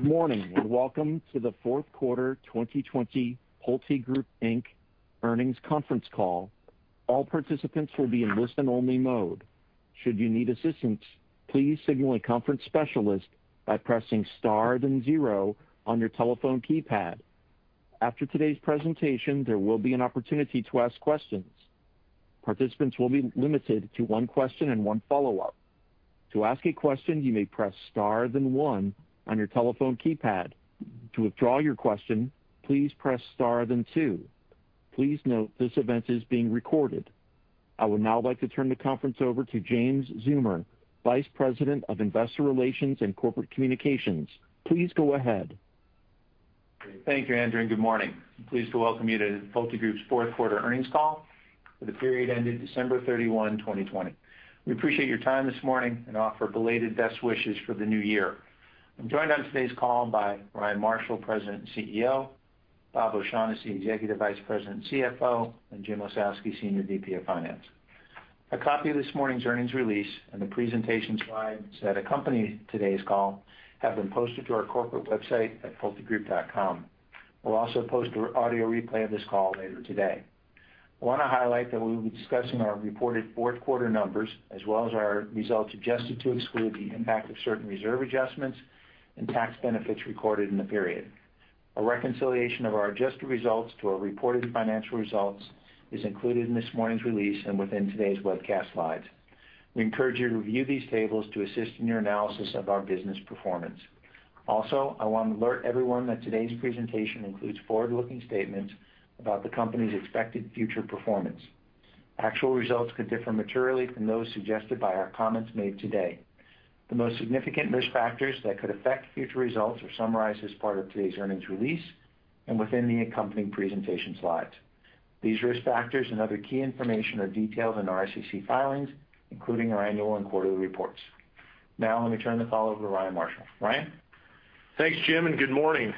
Good morning, and welcome to the fourth quarter 2020 PulteGroup, Inc. earnings conference call. All participants will be in listen-only mode. Should you need assistance, please signal the conference specialist by pressing star then zero on your telephone keypad. After today's presentation, there will be an opportunity to ask questions. Participants will be limited to one question and one follow-up. To ask a question, you may press star then one on your telephone keypad. To withdraw your question, please press star then two. Please note this event is being recorded. I would now like to turn the conference over to James Zeumer, Vice President of Investor Relations and Corporate Communications. Please go ahead. Thank you, Andrew, and good morning. I am pleased to welcome you to PulteGroup's fourth quarter earnings call for the period ended December 31, 2020. We appreciate your time this morning and offer belated best wishes for the new year. I am joined on today's call by Ryan Marshall, President and CEO, Bob O'Shaughnessy, Executive Vice President and CFO, and Jim Ossowski, Senior VP of Finance. A copy of this morning's earnings release and the presentation slides that accompany today's call have been posted to our corporate website at pultegroup.com. We will also post an audio replay of this call later today. I want to highlight that we will be discussing our reported fourth quarter numbers as well as our results adjusted to exclude the impact of certain reserve adjustments and tax benefits recorded in the period. A reconciliation of our adjusted results to our reported financial results is included in this morning's release and within today's webcast slides. We encourage you to review these tables to assist in your analysis of our business performance. I want to alert everyone that today's presentation includes forward-looking statements about the company's expected future performance. Actual results could differ materially from those suggested by our comments made today. The most significant risk factors that could affect future results are summarized as part of today's earnings release and within the accompanying presentation slides. These risk factors and other key information are detailed in our SEC filings, including our annual and quarterly reports. Now, let me turn the call over to Ryan Marshall. Ryan? Thanks, Jim, and good morning.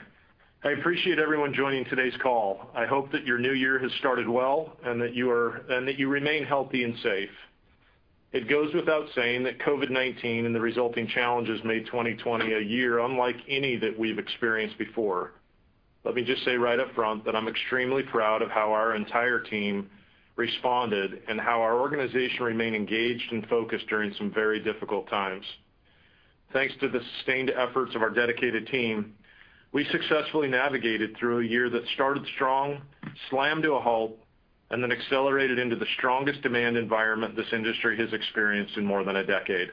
I appreciate everyone joining today's call. I hope that your new year has started well and that you remain healthy and safe. It goes without saying that COVID-19 and the resulting challenges made 2020 a year unlike any that we've experienced before. Let me just say right up front that I'm extremely proud of how our entire team responded and how our organization remained engaged and focused during some very difficult times. Thanks to the sustained efforts of our dedicated team, we successfully navigated through a year that started strong, slammed to a halt, and then accelerated into the strongest demand environment this industry has experienced in more than a decade.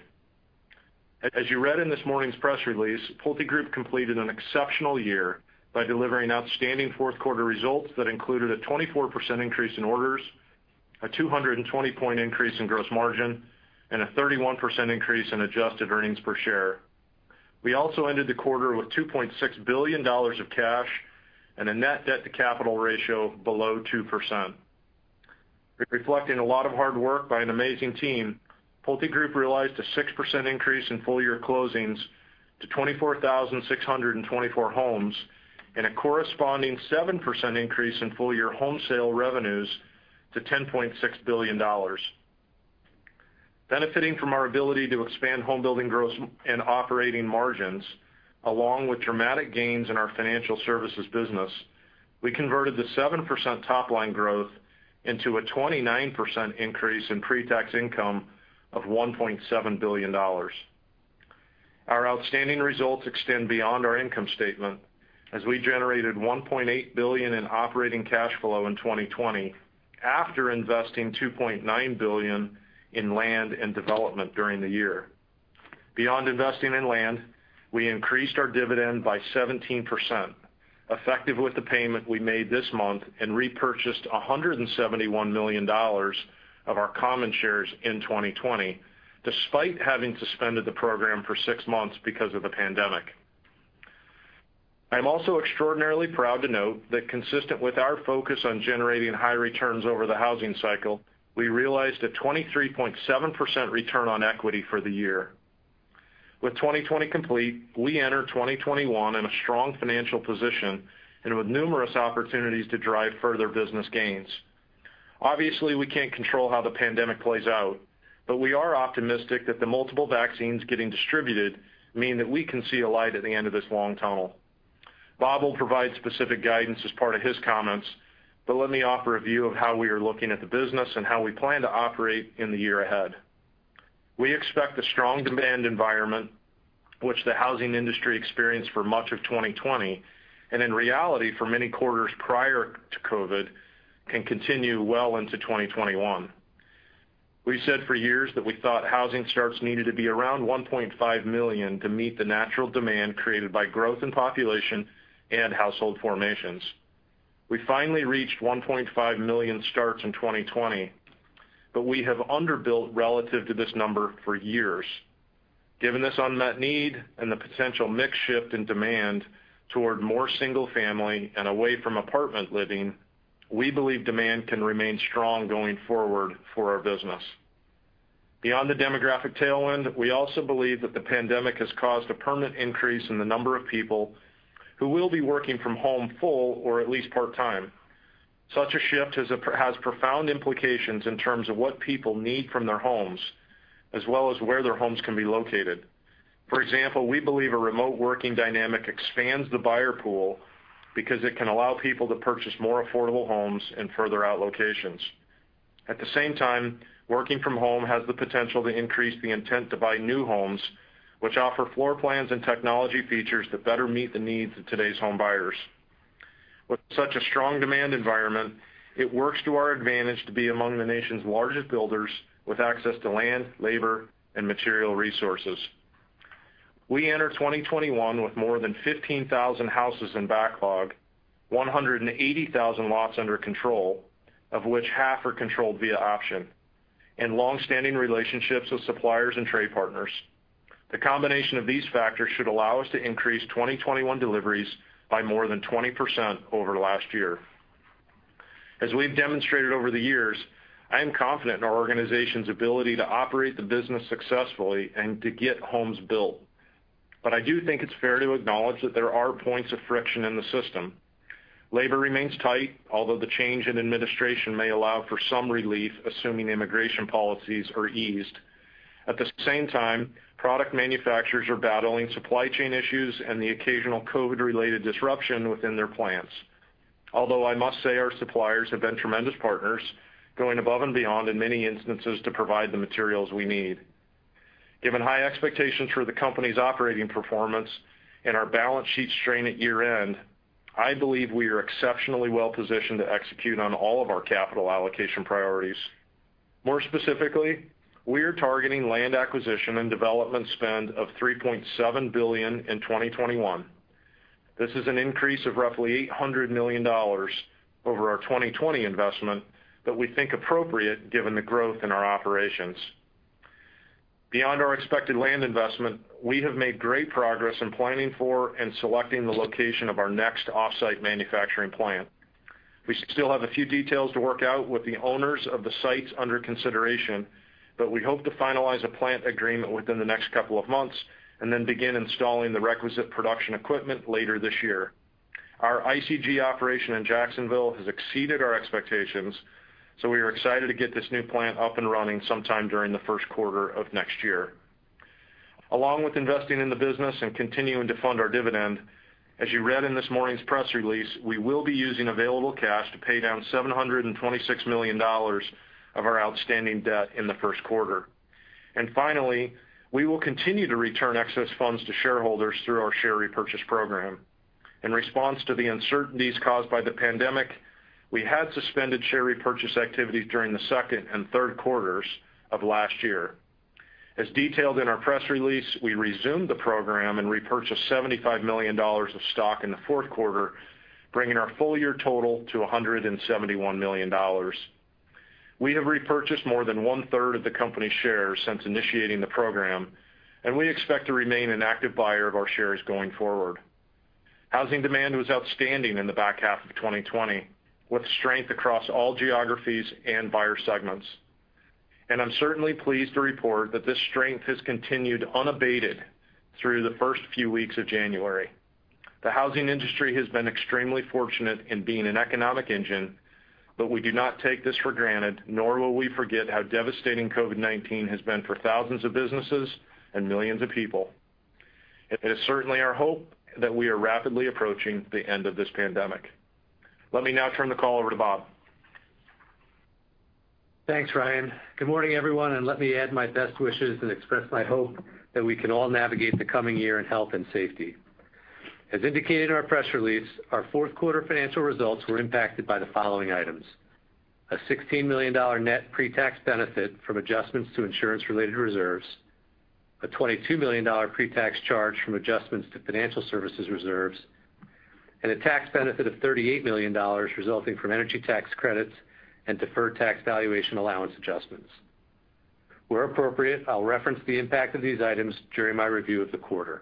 As you read in this morning's press release, PulteGroup completed an exceptional year by delivering outstanding fourth quarter results that included a 24% increase in orders, a 220-point increase in gross margin, and a 31% increase in adjusted earnings per share. We also ended the quarter with $2.6 billion of cash and a net debt to capital ratio below 2%. Reflecting a lot of hard work by an amazing team, PulteGroup realized a 6% increase in full-year closings to 24,624 homes and a corresponding 7% increase in full-year home sale revenues to $10.6 billion. Benefiting from our ability to expand home building growth and operating margins, along with dramatic gains in our financial services business, we converted the 7% top-line growth into a 29% increase in pre-tax income of $1.7 billion. Our outstanding results extend beyond our income statement as we generated $1.8 billion in operating cash flow in 2020 after investing $2.9 billion in land and development during the year. Beyond investing in land, we increased our dividend by 17%, effective with the payment we made this month and repurchased $171 million of our common shares in 2020, despite having suspended the program for six months because of the pandemic. I'm also extraordinarily proud to note that consistent with our focus on generating high returns over the housing cycle, we realized a 23.7% return on equity for the year. With 2020 complete, we enter 2021 in a strong financial position and with numerous opportunities to drive further business gains. Obviously, we can't control how the pandemic plays out. We are optimistic that the multiple vaccines getting distributed mean that we can see a light at the end of this long tunnel. Bob will provide specific guidance as part of his comments. Let me offer a view of how we are looking at the business and how we plan to operate in the year ahead. We expect the strong demand environment which the housing industry experienced for much of 2020, and in reality for many quarters prior to COVID, can continue well into 2021. We said for years that we thought housing starts needed to be around 1.5 million to meet the natural demand created by growth in population and household formations. We finally reached 1.5 million starts in 2020. We have underbuilt relative to this number for years. Given this unmet need and the potential mix shift in demand toward more single-family and away from apartment living, we believe demand can remain strong going forward for our business. Beyond the demographic tailwind, we also believe that the pandemic has caused a permanent increase in the number of people who will be working from home full or at least part-time. Such a shift has profound implications in terms of what people need from their homes, as well as where their homes can be located. For example, we believe a remote working dynamic expands the buyer pool because it can allow people to purchase more affordable homes in further out locations. At the same time, working from home has the potential to increase the intent to buy new homes, which offer floor plans and technology features that better meet the needs of today's home buyers. With such a strong demand environment, it works to our advantage to be among the nation's largest builders with access to land, labor, and material resources. We enter 2021 with more than 15,000 houses in backlog, 180,000 lots under control, of which half are controlled via option, and longstanding relationships with suppliers and trade partners. The combination of these factors should allow us to increase 2021 deliveries by more than 20% over last year. As we've demonstrated over the years, I am confident in our organization's ability to operate the business successfully and to get homes built. I do think it's fair to acknowledge that there are points of friction in the system. Labor remains tight, although the change in administration may allow for some relief, assuming immigration policies are eased. At the same time, product manufacturers are battling supply chain issues and the occasional COVID-related disruption within their plants. Although I must say our suppliers have been tremendous partners, going above and beyond in many instances to provide the materials we need. Given high expectations for the company's operating performance and our balance sheet strain at year-end, I believe we are exceptionally well-positioned to execute on all of our capital allocation priorities. More specifically, we are targeting land acquisition and development spend of $3.7 billion in 2021. This is an increase of roughly $800 million over our 2020 investment that we think appropriate given the growth in our operations. Beyond our expected land investment, we have made great progress in planning for and selecting the location of our next off-site manufacturing plant. We still have a few details to work out with the owners of the sites under consideration, but we hope to finalize a plant agreement within the next couple of months and then begin installing the requisite production equipment later this year. Our ICG operation in Jacksonville has exceeded our expectations, so we are excited to get this new plant up and running sometime during the first quarter of next year. Along with investing in the business and continuing to fund our dividend, as you read in this morning's press release, we will be using available cash to pay down $726 million of our outstanding debt in the first quarter. Finally, we will continue to return excess funds to shareholders through our share repurchase program. In response to the uncertainties caused by the pandemic, we had suspended share repurchase activity during the second and third quarters of last year. As detailed in our press release, we resumed the program and repurchased $75 million of stock in the fourth quarter, bringing our full-year total to $171 million. We have repurchased more than 1/3 of the company shares since initiating the program, we expect to remain an active buyer of our shares going forward. Housing demand was outstanding in the back half of 2020, with strength across all geographies and buyer segments. I'm certainly pleased to report that this strength has continued unabated through the first few weeks of January. The housing industry has been extremely fortunate in being an economic engine, we do not take this for granted, nor will we forget how devastating COVID-19 has been for thousands of businesses and millions of people. It is certainly our hope that we are rapidly approaching the end of this pandemic. Let me now turn the call over to Bob. Thanks, Ryan. Good morning, everyone, and let me add my best wishes and express my hope that we can all navigate the coming year in health and safety. As indicated in our press release, our fourth quarter financial results were impacted by the following items. A $16 million net pre-tax benefit from adjustments to insurance-related reserves, a $22 million pre-tax charge from adjustments to financial services reserves, and a tax benefit of $38 million resulting from energy tax credits and deferred tax valuation allowance adjustments. Where appropriate, I'll reference the impact of these items during my review of the quarter.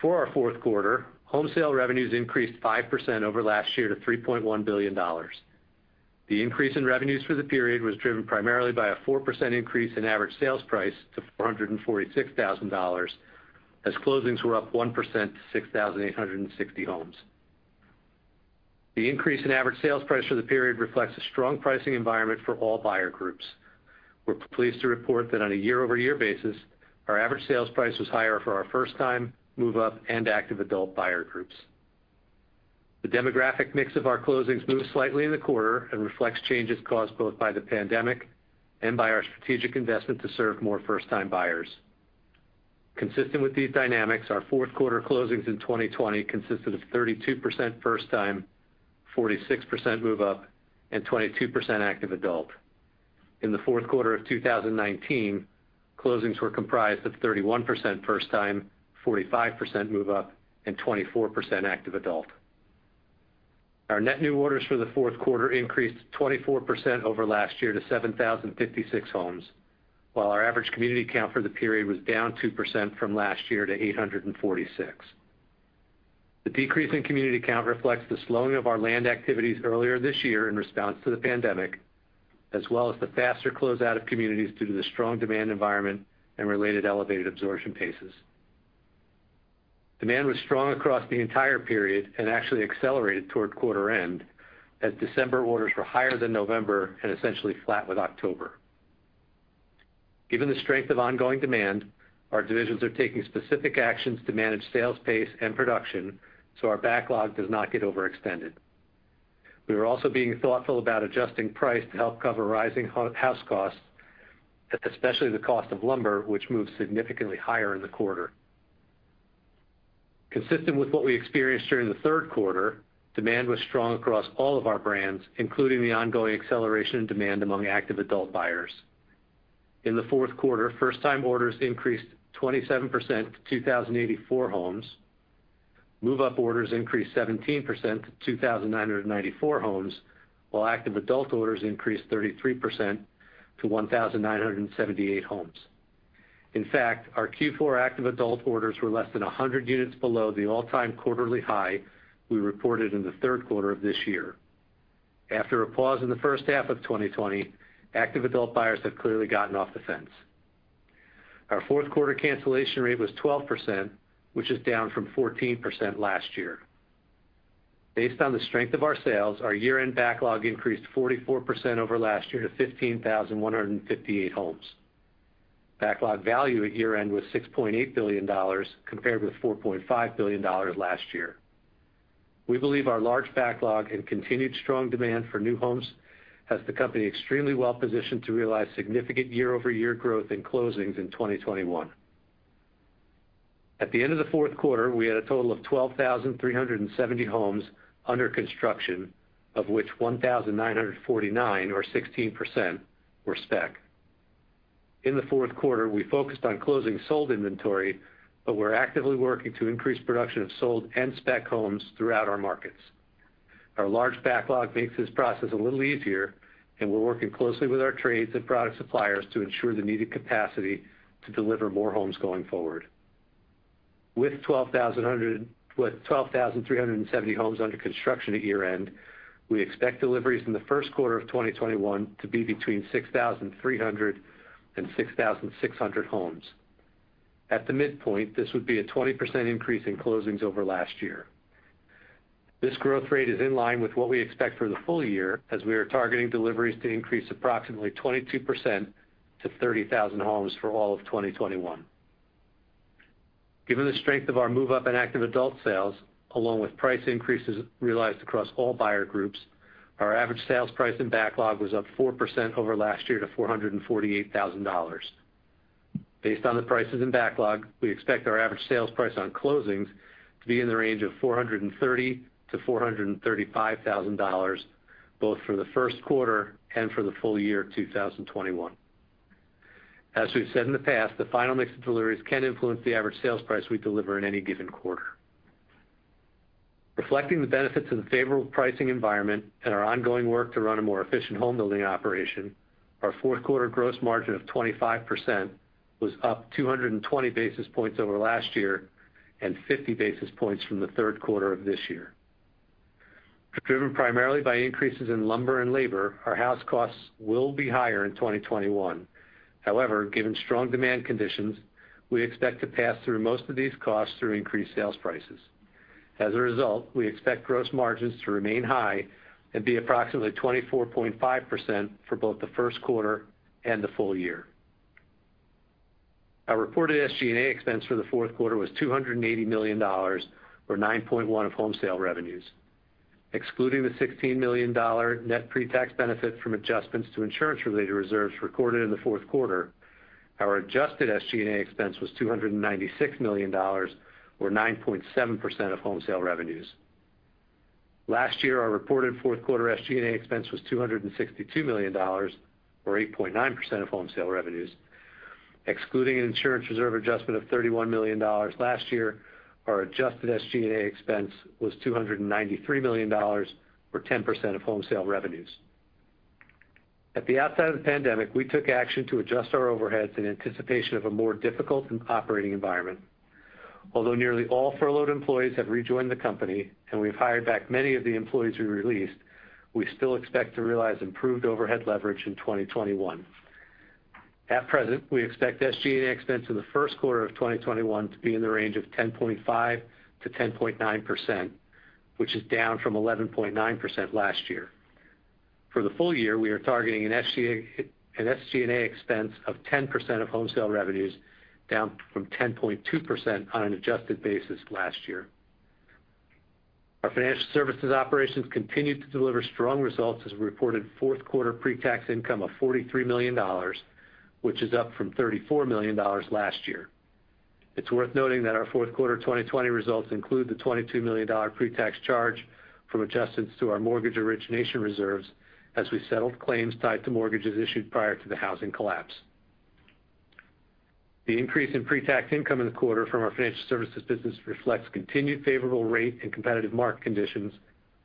For our fourth quarter, home sale revenues increased 5% over last year to $3.1 billion. The increase in revenues for the period was driven primarily by a 4% increase in average sales price to $446,000, as closings were up 1% to 6,860 homes. The increase in average sales price for the period reflects a strong pricing environment for all buyer groups. We're pleased to report that on a year-over-year basis, our average sales price was higher for our first-time, move-up, and active-adult buyer groups. The demographic mix of our closings moved slightly in the quarter and reflects changes caused both by the pandemic and by our strategic investment to serve more first-time buyers. Consistent with these dynamics, our fourth quarter closings in 2020 consisted of 32% first time, 46% move up, and 22% active adult. In the fourth quarter of 2019, closings were comprised of 31% first time, 45% move up, and 24% active adult. Our net new orders for the fourth quarter increased 24% over last year to 7,056 homes, while our average community count for the period was down 2% from last year to 846. The decrease in community count reflects the slowing of our land activities earlier this year in response to the pandemic, as well as the faster closeout of communities due to the strong demand environment and related elevated absorption paces. Demand was strong across the entire period and actually accelerated toward quarter end as December orders were higher than November and essentially flat with October. Given the strength of ongoing demand, our divisions are taking specific actions to manage sales pace and production so our backlog does not get overextended. We are also being thoughtful about adjusting price to help cover rising house costs, especially the cost of lumber, which moved significantly higher in the quarter. Consistent with what we experienced during the third quarter, demand was strong across all of our brands, including the ongoing acceleration in demand among active-adult buyers. In the fourth quarter, first-time orders increased 27% to 2,084 homes. Move-up orders increased 17% to 2,994 homes, while active-adult orders increased 33% to 1,978 homes. In fact, our Q4 active-adult orders were less than 100 units below the all-time quarterly high we reported in the third quarter of this year. After a pause in the first half of 2020, active-adult buyers have clearly gotten off the fence. Our fourth quarter cancellation rate was 12%, which is down from 14% last year. Based on the strength of our sales, our year-end backlog increased 44% over last year to 15,158 homes. Backlog value at year-end was $6.8 billion compared with $4.5 billion last year. We believe our large backlog and continued strong demand for new homes has the company extremely well positioned to realize significant year-over-year growth in closings in 2021. At the end of the fourth quarter, we had a total of 12,370 homes under construction, of which 1,949 or 16% were spec. In the fourth quarter, we focused on closing sold inventory, but we're actively working to increase production of sold and spec homes throughout our markets. Our large backlog makes this process a little easier, and we're working closely with our trades and product suppliers to ensure the needed capacity to deliver more homes going forward. With 12,370 homes under construction at year-end, we expect deliveries in the first quarter of 2021 to be between 6,300 and 6,600 homes. At the midpoint, this would be a 20% increase in closings over last year. This growth rate is in line with what we expect for the full year, as we are targeting deliveries to increase approximately 22% to 30,000 homes for all of 2021. Given the strength of our move-up in active-adult sales, along with price increases realized across all buyer groups, our average sales price in backlog was up 4% over last year to $448,000. Based on the prices and backlog, we expect our average sales price on closings to be in the range of $430,000-$435,000, both for the first quarter and for the full year 2021. As we've said in the past, the final mix of deliveries can influence the average sales price we deliver in any given quarter. Reflecting the benefits of the favorable pricing environment and our ongoing work to run a more efficient home building operation, our fourth quarter gross margin of 25% was up 220 basis points over last year and 50 basis points from the third quarter of this year. Driven primarily by increases in lumber and labor, our house costs will be higher in 2021. However, given strong demand conditions, we expect to pass through most of these costs through increased sales prices. As a result, we expect gross margins to remain high and be approximately 24.5% for both the first quarter and the full year. Our reported SG&A expense for the fourth quarter was $280 million, or 9.1% of home sale revenues. Excluding the $16 million net pre-tax benefit from adjustments to insurance-related reserves recorded in the fourth quarter, our adjusted SG&A expense was $296 million or 9.7% of home sale revenues. Last year, our reported fourth quarter SG&A expense was $262 million, or 8.9% of home sale revenues. Excluding an insurance reserve adjustment of $31 million last year, our adjusted SG&A expense was $293 million, or 10% of home sale revenues. At the outset of the pandemic, we took action to adjust our overheads in anticipation of a more difficult operating environment. Although nearly all furloughed employees have rejoined the company and we've hired back many of the employees we released, we still expect to realize improved overhead leverage in 2021. At present, we expect SG&A expense in the first quarter of 2021 to be in the range of 10.5%-10.9%, which is down from 11.9% last year. For the full year, we are targeting an SG&A expense of 10% of home sale revenues, down from 10.2% on an adjusted basis last year. Our financial services operations continued to deliver strong results as we reported fourth quarter pre-tax income of $43 million, which is up from $34 million last year. It's worth noting that our fourth quarter 2020 results include the $22 million pre-tax charge from adjustments to our mortgage origination reserves as we settled claims tied to mortgages issued prior to the housing collapse. The increase in pre-tax income in the quarter from our financial services business reflects continued favorable rate and competitive market conditions,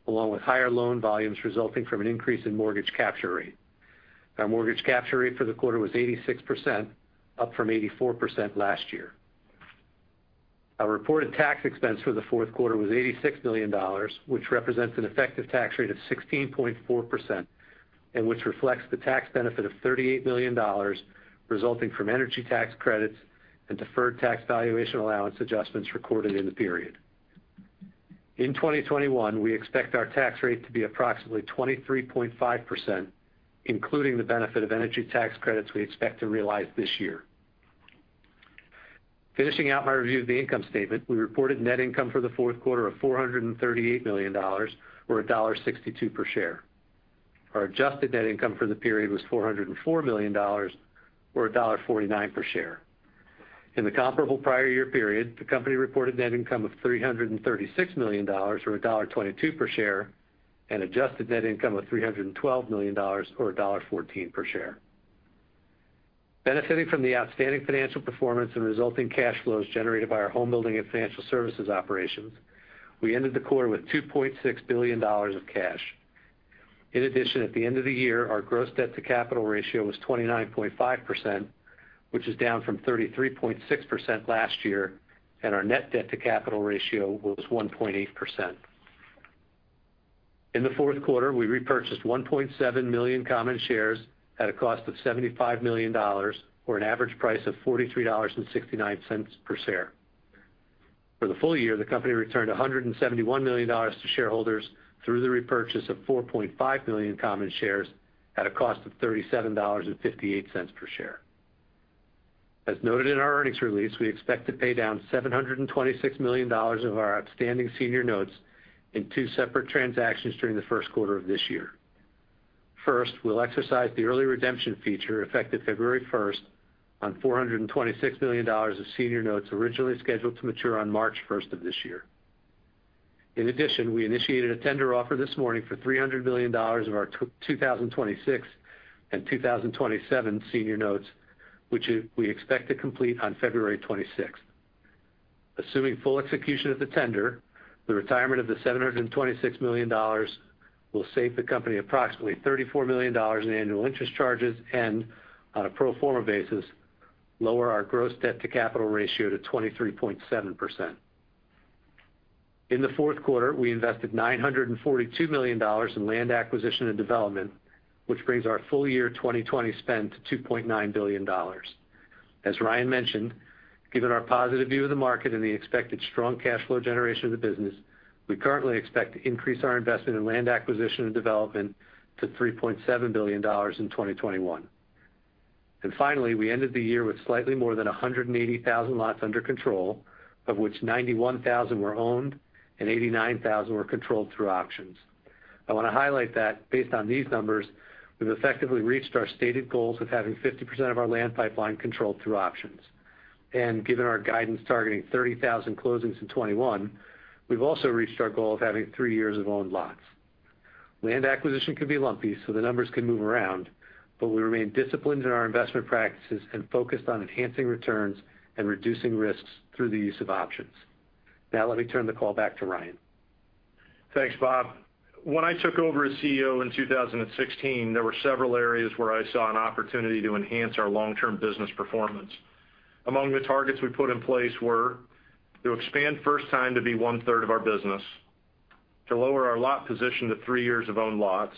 along with higher loan volumes resulting from an increase in mortgage capture rate. Our mortgage capture rate for the quarter was 86%, up from 84% last year. Our reported tax expense for the fourth quarter was $86 million, which represents an effective tax rate of 16.4% which reflects the tax benefit of $38 million resulting from energy tax credits and deferred tax valuation allowance adjustments recorded in the period. In 2021, we expect our tax rate to be approximately 23.5%, including the benefit of energy tax credits we expect to realize this year. Finishing out my review of the income statement, we reported net income for the fourth quarter of $438 million, or $1.62 per share. Our adjusted net income for the period was $404 million, or $1.49 per share. In the comparable prior year period, the company reported net income of $336 million, or $1.22 per share, and adjusted net income of $312 million, or $1.14 per share. Benefiting from the outstanding financial performance and resulting cash flows generated by our homebuilding and financial services operations, we ended the quarter with $2.6 billion of cash. In addition, at the end of the year, our gross debt to capital ratio was 29.5%, which is down from 33.6% last year, and our net debt to capital ratio was 1.8%. In the fourth quarter, we repurchased 1.7 million common shares at a cost of $75 million, or an average price of $43.69 per share. For the full year, the company returned $171 million to shareholders through the repurchase of 4.5 million common shares at a cost of $37.58 per share. As noted in our earnings release, we expect to pay down $726 million of our outstanding senior notes in two separate transactions during the first quarter of this year. First, we'll exercise the early redemption feature, effective February 1st, on $426 million of senior notes originally scheduled to mature on March 1st of this year. In addition, we initiated a tender offer this morning for $300 million of our 2026 and 2027 senior notes, which we expect to complete on February 26th. Assuming full execution of the tender, the retirement of the $726 million will save the company approximately $34 million in annual interest charges, and on a pro forma basis, lower our gross debt to capital ratio to 23.7%. In the fourth quarter, we invested $942 million in land acquisition and development, which brings our full year 2020 spend to $2.9 billion. As Ryan mentioned, given our positive view of the market and the expected strong cash flow generation of the business, we currently expect to increase our investment in land acquisition and development to $3.7 billion in 2021. Finally, we ended the year with slightly more than 180,000 lots under control, of which 91,000 were owned and 89,000 were controlled through options. I want to highlight that based on these numbers, we've effectively reached our stated goals of having 50% of our land pipeline controlled through options. Given our guidance targeting 30,000 closings in 2021, we've also reached our goal of having three years of owned lots. Land acquisition can be lumpy, so the numbers can move around, but we remain disciplined in our investment practices and focused on enhancing returns and reducing risks through the use of options. Now let me turn the call back to Ryan. Thanks, Bob. When I took over as CEO in 2016, there were several areas where I saw an opportunity to enhance our long-term business performance. Among the targets we put in place were to expand first time to be 1/3 of our business, to lower our lot position to three years of owned lots,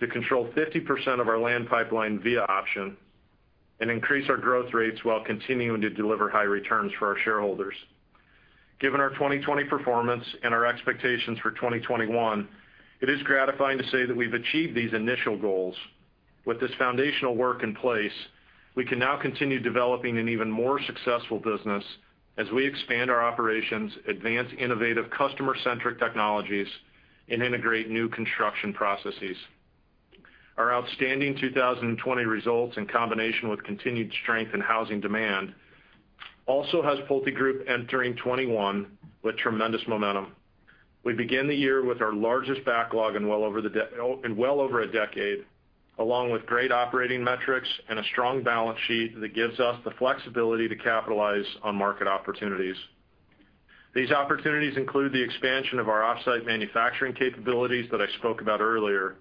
to control 50% of our land pipeline via option, and increase our growth rates while continuing to deliver high returns for our shareholders. Given our 2020 performance and our expectations for 2021, it is gratifying to say that we've achieved these initial goals. With this foundational work in place, we can now continue developing an even more successful business as we expand our operations, advance innovative customer-centric technologies, and integrate new construction processes. Our outstanding 2020 results in combination with continued strength in housing demand also has PulteGroup entering 2021 with tremendous momentum. We begin the year with our largest backlog in well over a decade, along with great operating metrics and a strong balance sheet that gives us the flexibility to capitalize on market opportunities. These opportunities include the expansion of our off-site manufacturing capabilities that I spoke about earlier,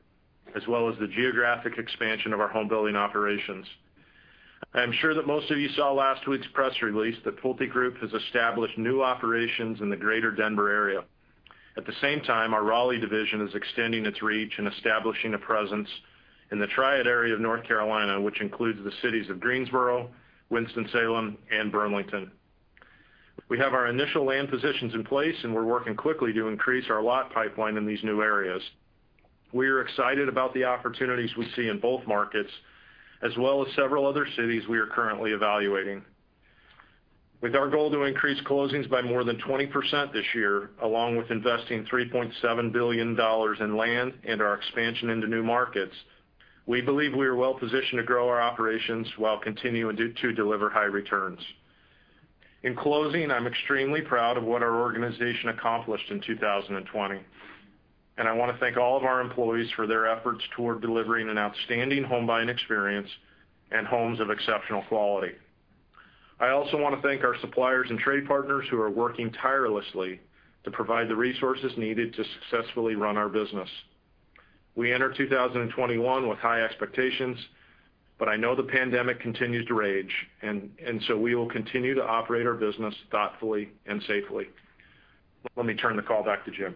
as well as the geographic expansion of our homebuilding operations. I am sure that most of you saw last week's press release that PulteGroup has established new operations in the Greater Denver area. At the same time, our Raleigh division is extending its reach and establishing a presence in the Triad area of North Carolina, which includes the cities of Greensboro, Winston-Salem, and Burlington. We have our initial land positions in place, and we're working quickly to increase our lot pipeline in these new areas. We are excited about the opportunities we see in both markets, as well as several other cities we are currently evaluating. With our goal to increase closings by more than 20% this year, along with investing $3.7 billion in land and our expansion into new markets, we believe we are well positioned to grow our operations while continuing to deliver high returns. In closing, I'm extremely proud of what our organization accomplished in 2020, and I want to thank all of our employees for their efforts toward delivering an outstanding home buying experience and homes of exceptional quality. I also want to thank our suppliers and trade partners who are working tirelessly to provide the resources needed to successfully run our business. We enter 2021 with high expectations. I know the pandemic continues to rage, so we will continue to operate our business thoughtfully and safely. Let me turn the call back to Jim. Great.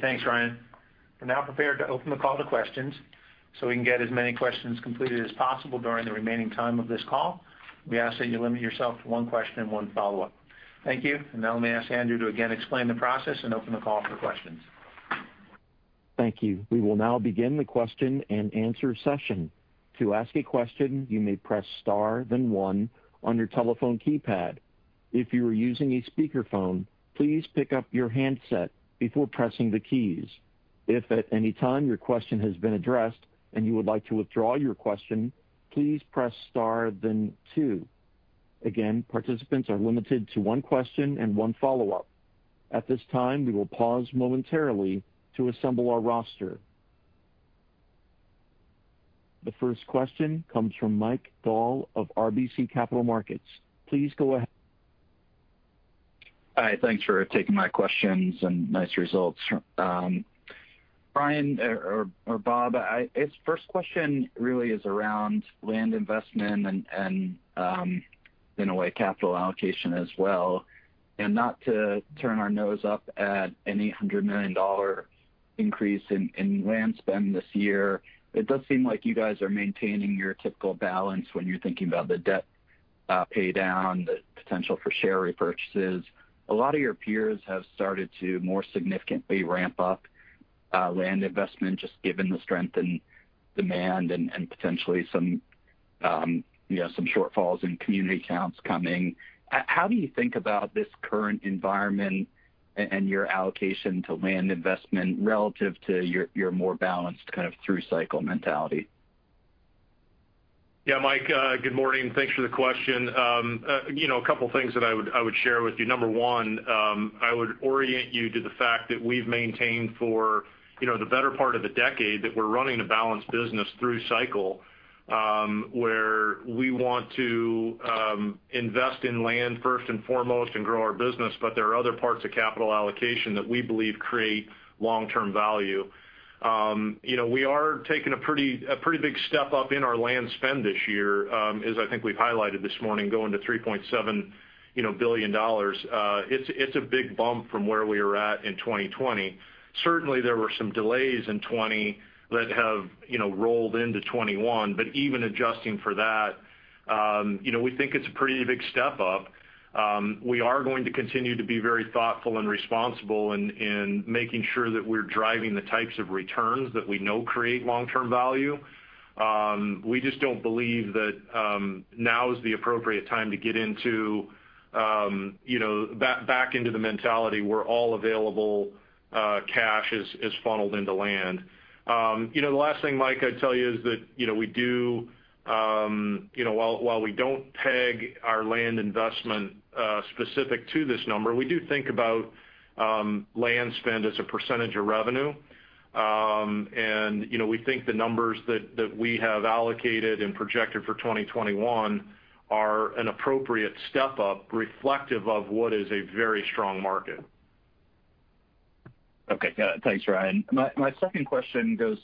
Thanks, Ryan. We're now prepared to open the call to questions. We can get as many questions completed as possible during the remaining time of this call, we ask that you limit yourself to one question and one follow-up. Thank you. Now, let me ask Andrew to again explain the process and open the call for questions. Thank you. We will now begin the question and answer session. To ask a question, you may press star then one on your telephone keypad. If you are using a speakerphone, please pick up your handset before pressing the keys. If at any time your question has been addressed and you would like to withdraw your question, please press star then two. Again, participants are limited to one question and one follow-up. At this time, we will pause momentarily to assemble a roster. The first question comes from Mike Dahl of RBC Capital Markets. Please go ahead. Hi. Thanks for taking my questions, and nice results. Ryan or Bob, first question really is around land investment and in a way, capital allocation as well. Not to turn our nose up at any $100 million increase in land spend this year, but it does seem like you guys are maintaining your typical balance when you're thinking about the debt pay down, the potential for share repurchases. A lot of your peers have started to more significantly ramp up land investment, just given the strength in demand and potentially some shortfalls in community counts coming. How do you think about this current environment and your allocation to land investment relative to your more balanced kind of through-cycle mentality? Yeah, Mike. Good morning. Thanks for the question. A couple of things that I would share with you. Number one, I would orient you to the fact that we've maintained for the better part of a decade that we're running a balanced business through cycle, where we want to invest in land first and foremost and grow our business. There are other parts of capital allocation that we believe create long-term value. We are taking a pretty big step up in our land spend this year, as I think we've highlighted this morning, going to $3.7 billion. It's a big bump from where we were at in 2020. Certainly, there were some delays in 2020 that have rolled into 2021. Even adjusting for that, we think it's a pretty big step up. We are going to continue to be very thoughtful and responsible in making sure that we're driving the types of returns that we know create long-term value. We just don't believe that now is the appropriate time to get back into the mentality where all available cash is funneled into land. The last thing, Mike, I'd tell you is that while we don't peg our land investment specific to this number, we do think about land spend as a percentage of revenue. We think the numbers that we have allocated and projected for 2021 are an appropriate step up reflective of what is a very strong market. Okay. Thanks, Ryan. My second question goes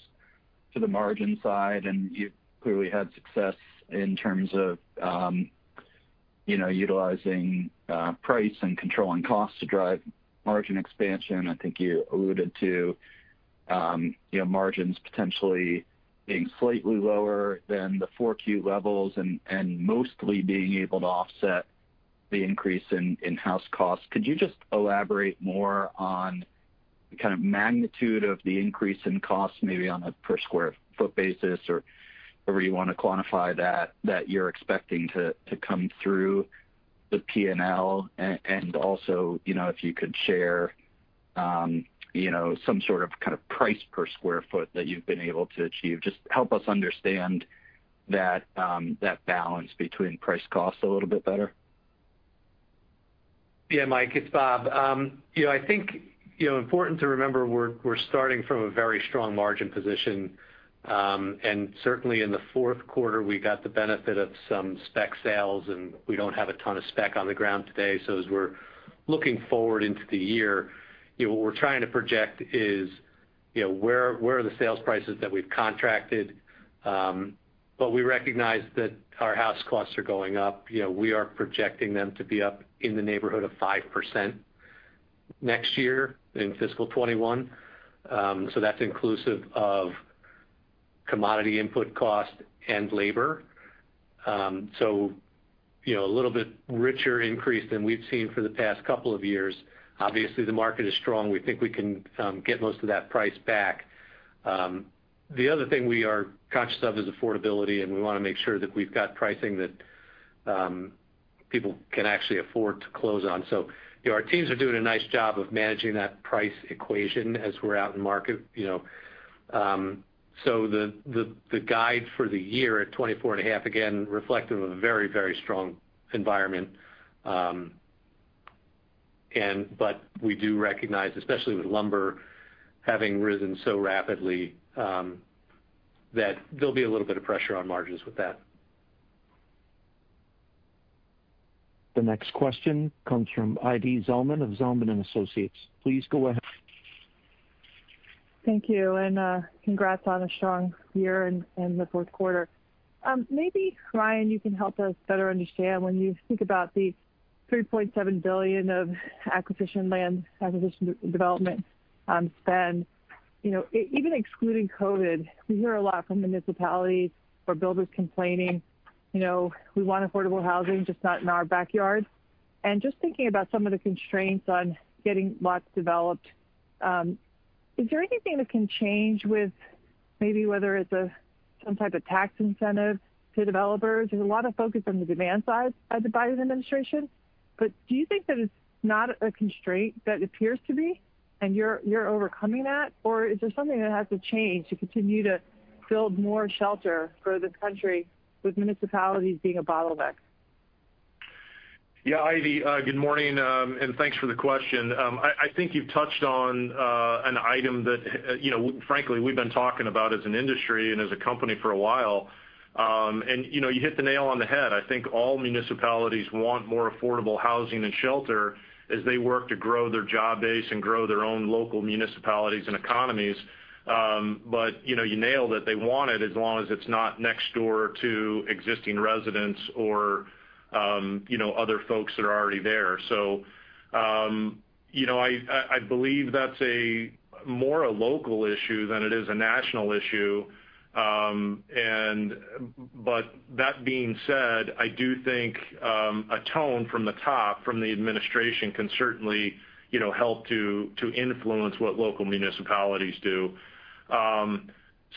to the margin side. You've clearly had success in terms of utilizing price and controlling costs to drive margin expansion. I think you alluded to margins potentially being slightly lower than the 4Q levels and mostly being able to offset the increase in house costs. Could you just elaborate more on kind of magnitude of the increase in costs, maybe on a per square foot basis or however you want to quantify that you're expecting to come through the P&L? Also, if you could share some sort of kind of price per square foot that you've been able to achieve. Just help us understand that balance between price costs a little bit better. Yeah, Mike, it's Bob. I think important to remember we're starting from a very strong margin position. Certainly, in the fourth quarter, we got the benefit of some spec sales, and we don't have a ton of spec on the ground today. As we're looking forward into the year, what we're trying to project is where are the sales prices that we've contracted. We recognize that our house costs are going up. We are projecting them to be up in the neighborhood of 5% next year in fiscal 2021. That's inclusive of commodity input cost and labor. A little bit richer increase than we've seen for the past couple of years. Obviously, the market is strong. We think we can get most of that price back. The other thing we are conscious of is affordability, and we want to make sure that we've got pricing that people can actually afford to close on. Our teams are doing a nice job of managing that price equation as we're out in market. The guide for the year at 24.5%, again, reflective of a very, very strong environment. We do recognize, especially with lumber having risen so rapidly, that there'll be a little bit of pressure on margins with that. The next question comes from Ivy Zelman of Zelman & Associates. Please go ahead. Thank you. Congrats on a strong year and the fourth quarter. Maybe, Ryan, you can help us better understand when you think about the $3.7 billion of acquisition land, acquisition development spend, even excluding COVID, we hear a lot from municipalities or builders complaining, "We want affordable housing, just not in our backyard." Just thinking about some of the constraints on getting lots developed, is there anything that can change with maybe whether it's some type of tax incentive to developers? There's a lot of focus on the demand side by the Biden administration. Do you think that it's not a constraint that appears to be, and you're overcoming that, or is there something that has to change to continue to build more shelter for this country with municipalities being a bottleneck? Yeah, Ivy, good morning, thanks for the question. I think you've touched on an item that, frankly, we've been talking about as an industry and as a company for a while. You hit the nail on the head. I think all municipalities want more affordable housing and shelter as they work to grow their job base and grow their own local municipalities and economies. You nailed it. They want it as long as it's not next door to existing residents or other folks that are already there. I believe that's more a local issue than it is a national issue. That being said, I do think a tone from the top, from the administration can certainly help to influence what local municipalities do.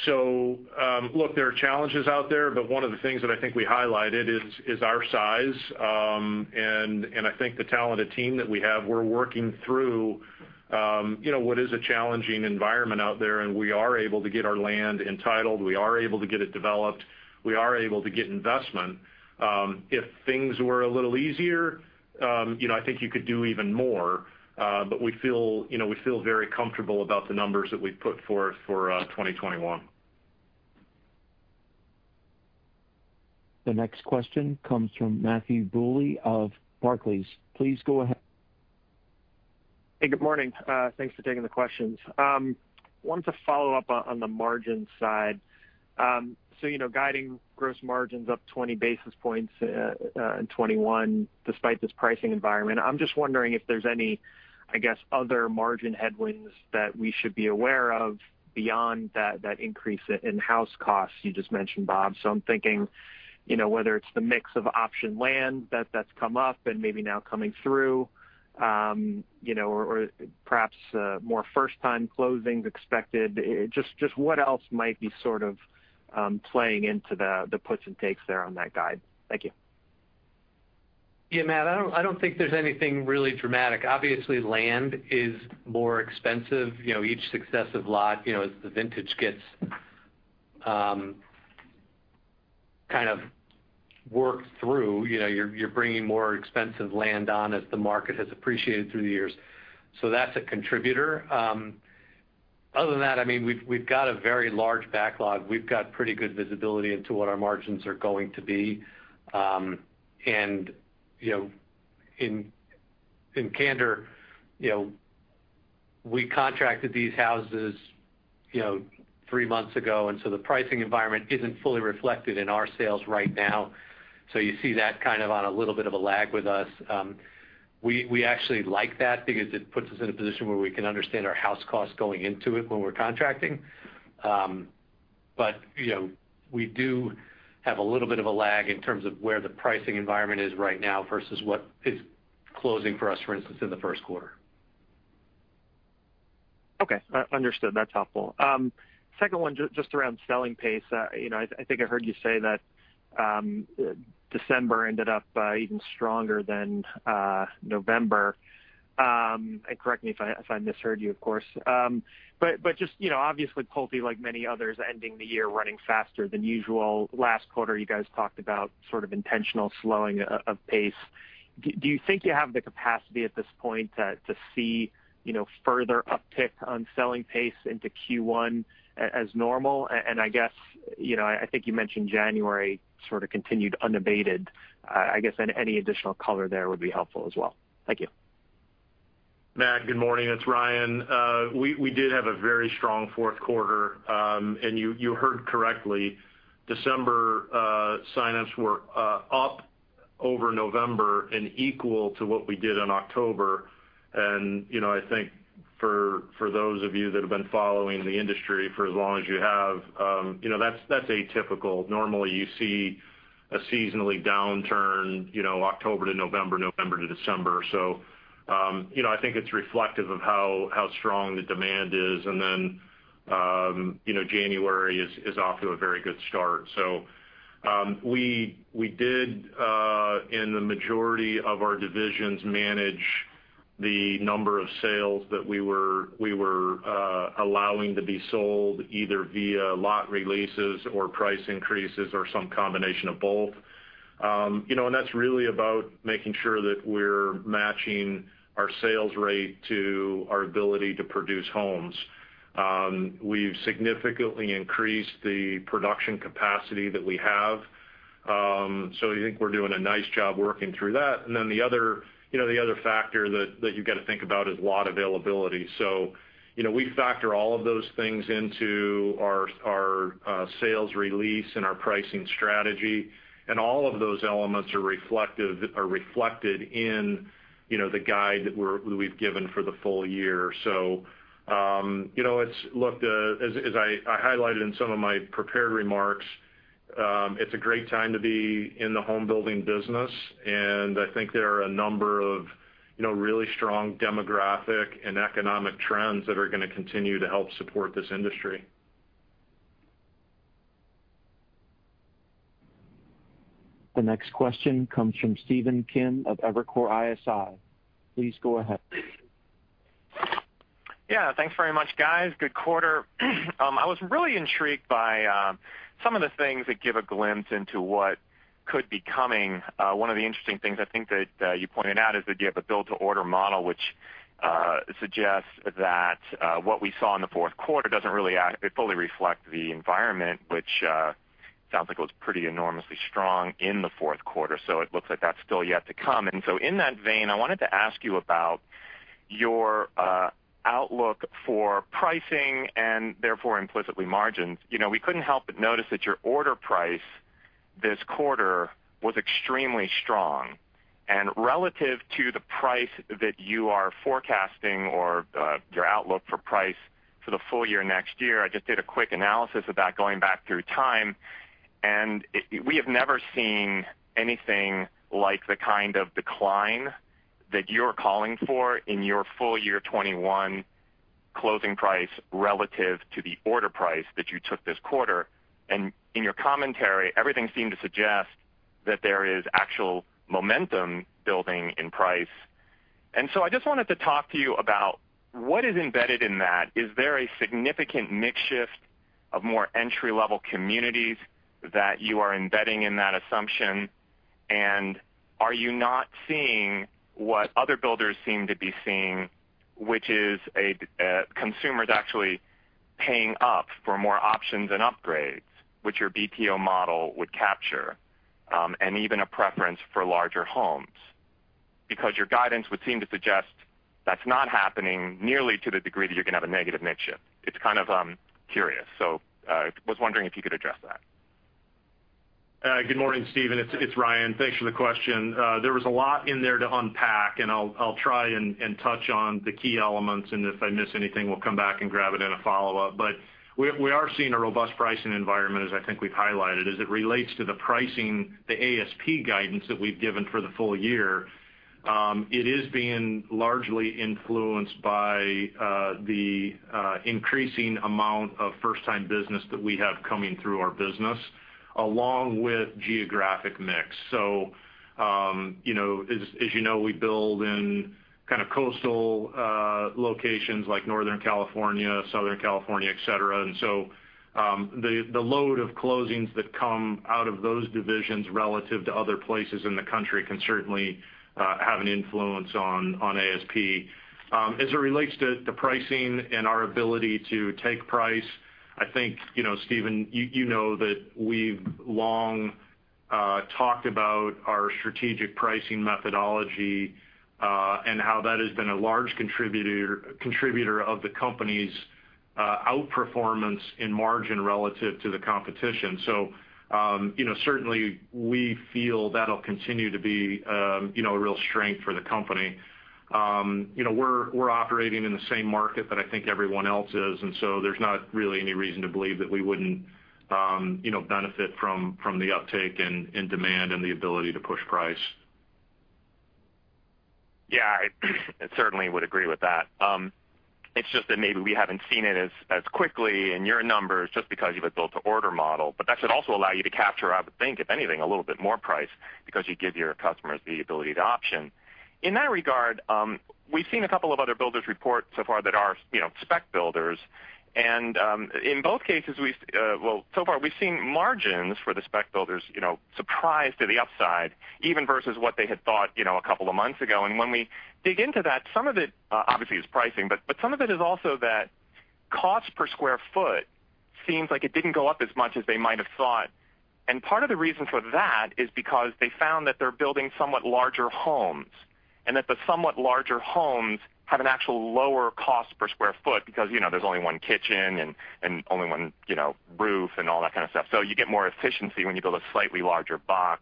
Look, there are challenges out there, but one of the things that I think we highlighted is our size. I think the talented team that we have, we're working through what is a challenging environment out there, and we are able to get our land entitled. We are able to get it developed. We are able to get investment. If things were a little easier, I think you could do even more. We feel very comfortable about the numbers that we put forth for 2021. The next question comes from Matthew Bouley of Barclays. Please go ahead. Hey, good morning. Thanks for taking the questions. Wanted to follow up on the margin side. Guiding gross margins up 20 basis points in 2021 despite this pricing environment. I'm just wondering if there's any, I guess, other margin headwinds that we should be aware of beyond that increase in house costs you just mentioned, Bob. I'm thinking, whether it's the mix of option land that's come up and maybe now coming through, or perhaps more first-time closings expected. Just what else might be sort of playing into the puts and takes there on that guide. Thank you. Yeah, Matt, I don't think there's anything really dramatic. Obviously, land is more expensive. Each successive lot as the vintage gets kind of worked through, you're bringing more expensive land on as the market has appreciated through the years. That's a contributor. Other than that, we've got a very large backlog. We've got pretty good visibility into what our margins are going to be. In candor, we contracted these houses three months ago, and so the pricing environment isn't fully reflected in our sales right now. You see that kind of on a little bit of a lag with us. We actually like that because it puts us in a position where we can understand our house costs going into it when we're contracting. We do have a little bit of a lag in terms of where the pricing environment is right now versus what is closing for us, for instance, in the first quarter. Okay. Understood. That's helpful. Second one, just around selling pace. I think I heard you say that December ended up even stronger than November. Correct me if I misheard you, of course. Just obviously, Pulte, like many others, ending the year running faster than usual. Last quarter, you guys talked about sort of intentional slowing of pace. Do you think you have the capacity at this point to see further uptick on selling pace into Q1 as normal? I guess, I think you mentioned January sort of continued unabated. Any additional color there would be helpful as well. Thank you. Matt, good morning. It's Ryan. We did have a very strong fourth quarter. You heard correctly, December sign-ups were up over November and equal to what we did in October. I think for those of you that have been following the industry for as long as you have, that's atypical. Normally, you see a seasonally downturn October to November, November to December. I think it's reflective of how strong the demand is. January is off to a very good start. We did, in the majority of our divisions, manage the number of sales that we were allowing to be sold either via lot releases or price increases or some combination of both. That's really about making sure that we're matching our sales rate to our ability to produce homes. We've significantly increased the production capacity that we have. I think we're doing a nice job working through that. The other factor that you got to think about is lot availability. We factor all of those things into our sales release and our pricing strategy. All of those elements are reflected in the guide that we've given for the full year. Look, as I highlighted in some of my prepared remarks, it's a great time to be in the homebuilding business, and I think there are a number of really strong demographic and economic trends that are going to continue to help support this industry. The next question comes from Stephen Kim of Evercore ISI. Please go ahead. Yeah. Thanks very much, guys. Good quarter. I was really intrigued by some of the things that give a glimpse into what could be coming. One of the interesting things I think that you pointed out is that you have a built-to-order model, which suggests that what we saw in the fourth quarter doesn't really fully reflect the environment, which sounds like it was pretty enormously strong in the fourth quarter. It looks like that's still yet to come. In that vein, I wanted to ask you about your outlook for pricing and therefore implicitly margins. We couldn't help but notice that your order price this quarter was extremely strong. Relative to the price that you are forecasting or your outlook for price for the full year next year, I just did a quick analysis about going back through time, and we have never seen anything like the kind of decline that you're calling for in your full year 2021 closing price relative to the order price that you took this quarter. In your commentary, everything seemed to suggest that there is actual momentum building in price. I just wanted to talk to you about what is embedded in that? Is there a significant mix shift of more entry-level communities that you are embedding in that assumption? Are you not seeing what other builders seem to be seeing, which is consumers actually paying up for more options and upgrades, which your BTO model would capture, and even a preference for larger homes? Because your guidance would seem to suggest that's not happening nearly to the degree that you're going to have a negative mix shift. It's kind of curious. Was wondering if you could address that? Good morning, Stephen. It's Ryan. Thanks for the question. There was a lot in there to unpack, and I'll try and touch on the key elements, and if I miss anything, we'll come back and grab it in a follow-up. We are seeing a robust pricing environment, as I think we've highlighted, as it relates to the pricing, the ASP guidance that we've given for the full year. It is being largely influenced by the increasing amount of first-time business that we have coming through our business, along with geographic mix. As you know, we build in kind of coastal locations like Northern California, Southern California, et cetera. The load of closings that come out of those divisions relative to other places in the country can certainly have an influence on ASP. As it relates to the pricing and our ability to take price, I think, Stephen, you know that we've long talked about our strategic pricing methodology, how that has been a large contributor of the company's outperformance in margin relative to the competition. Certainly, we feel that'll continue to be a real strength for the company. We're operating in the same market that I think everyone else is, there's not really any reason to believe that we wouldn't benefit from the uptake in demand and the ability to push price. Yeah, I certainly would agree with that. It's just that maybe we haven't seen it as quickly in your numbers just because you have a built-to-order model. That should also allow you to capture, I would think, if anything, a little bit more price because you give your customers the ability to option. In that regard, we've seen a couple of other builders report so far that are spec builders. In both cases, well, so far, we've seen margins for the spec builders surprise to the upside, even versus what they had thought a couple of months ago. When we dig into that, some of it obviously is pricing, but some of it is also that cost per square foot seems like it didn't go up as much as they might have thought. Part of the reason for that is because they found that they're building somewhat larger homes, and that the somewhat larger homes have an actual lower cost per square foot because there's only one kitchen and only one roof and all that kind of stuff. You get more efficiency when you build a slightly larger box.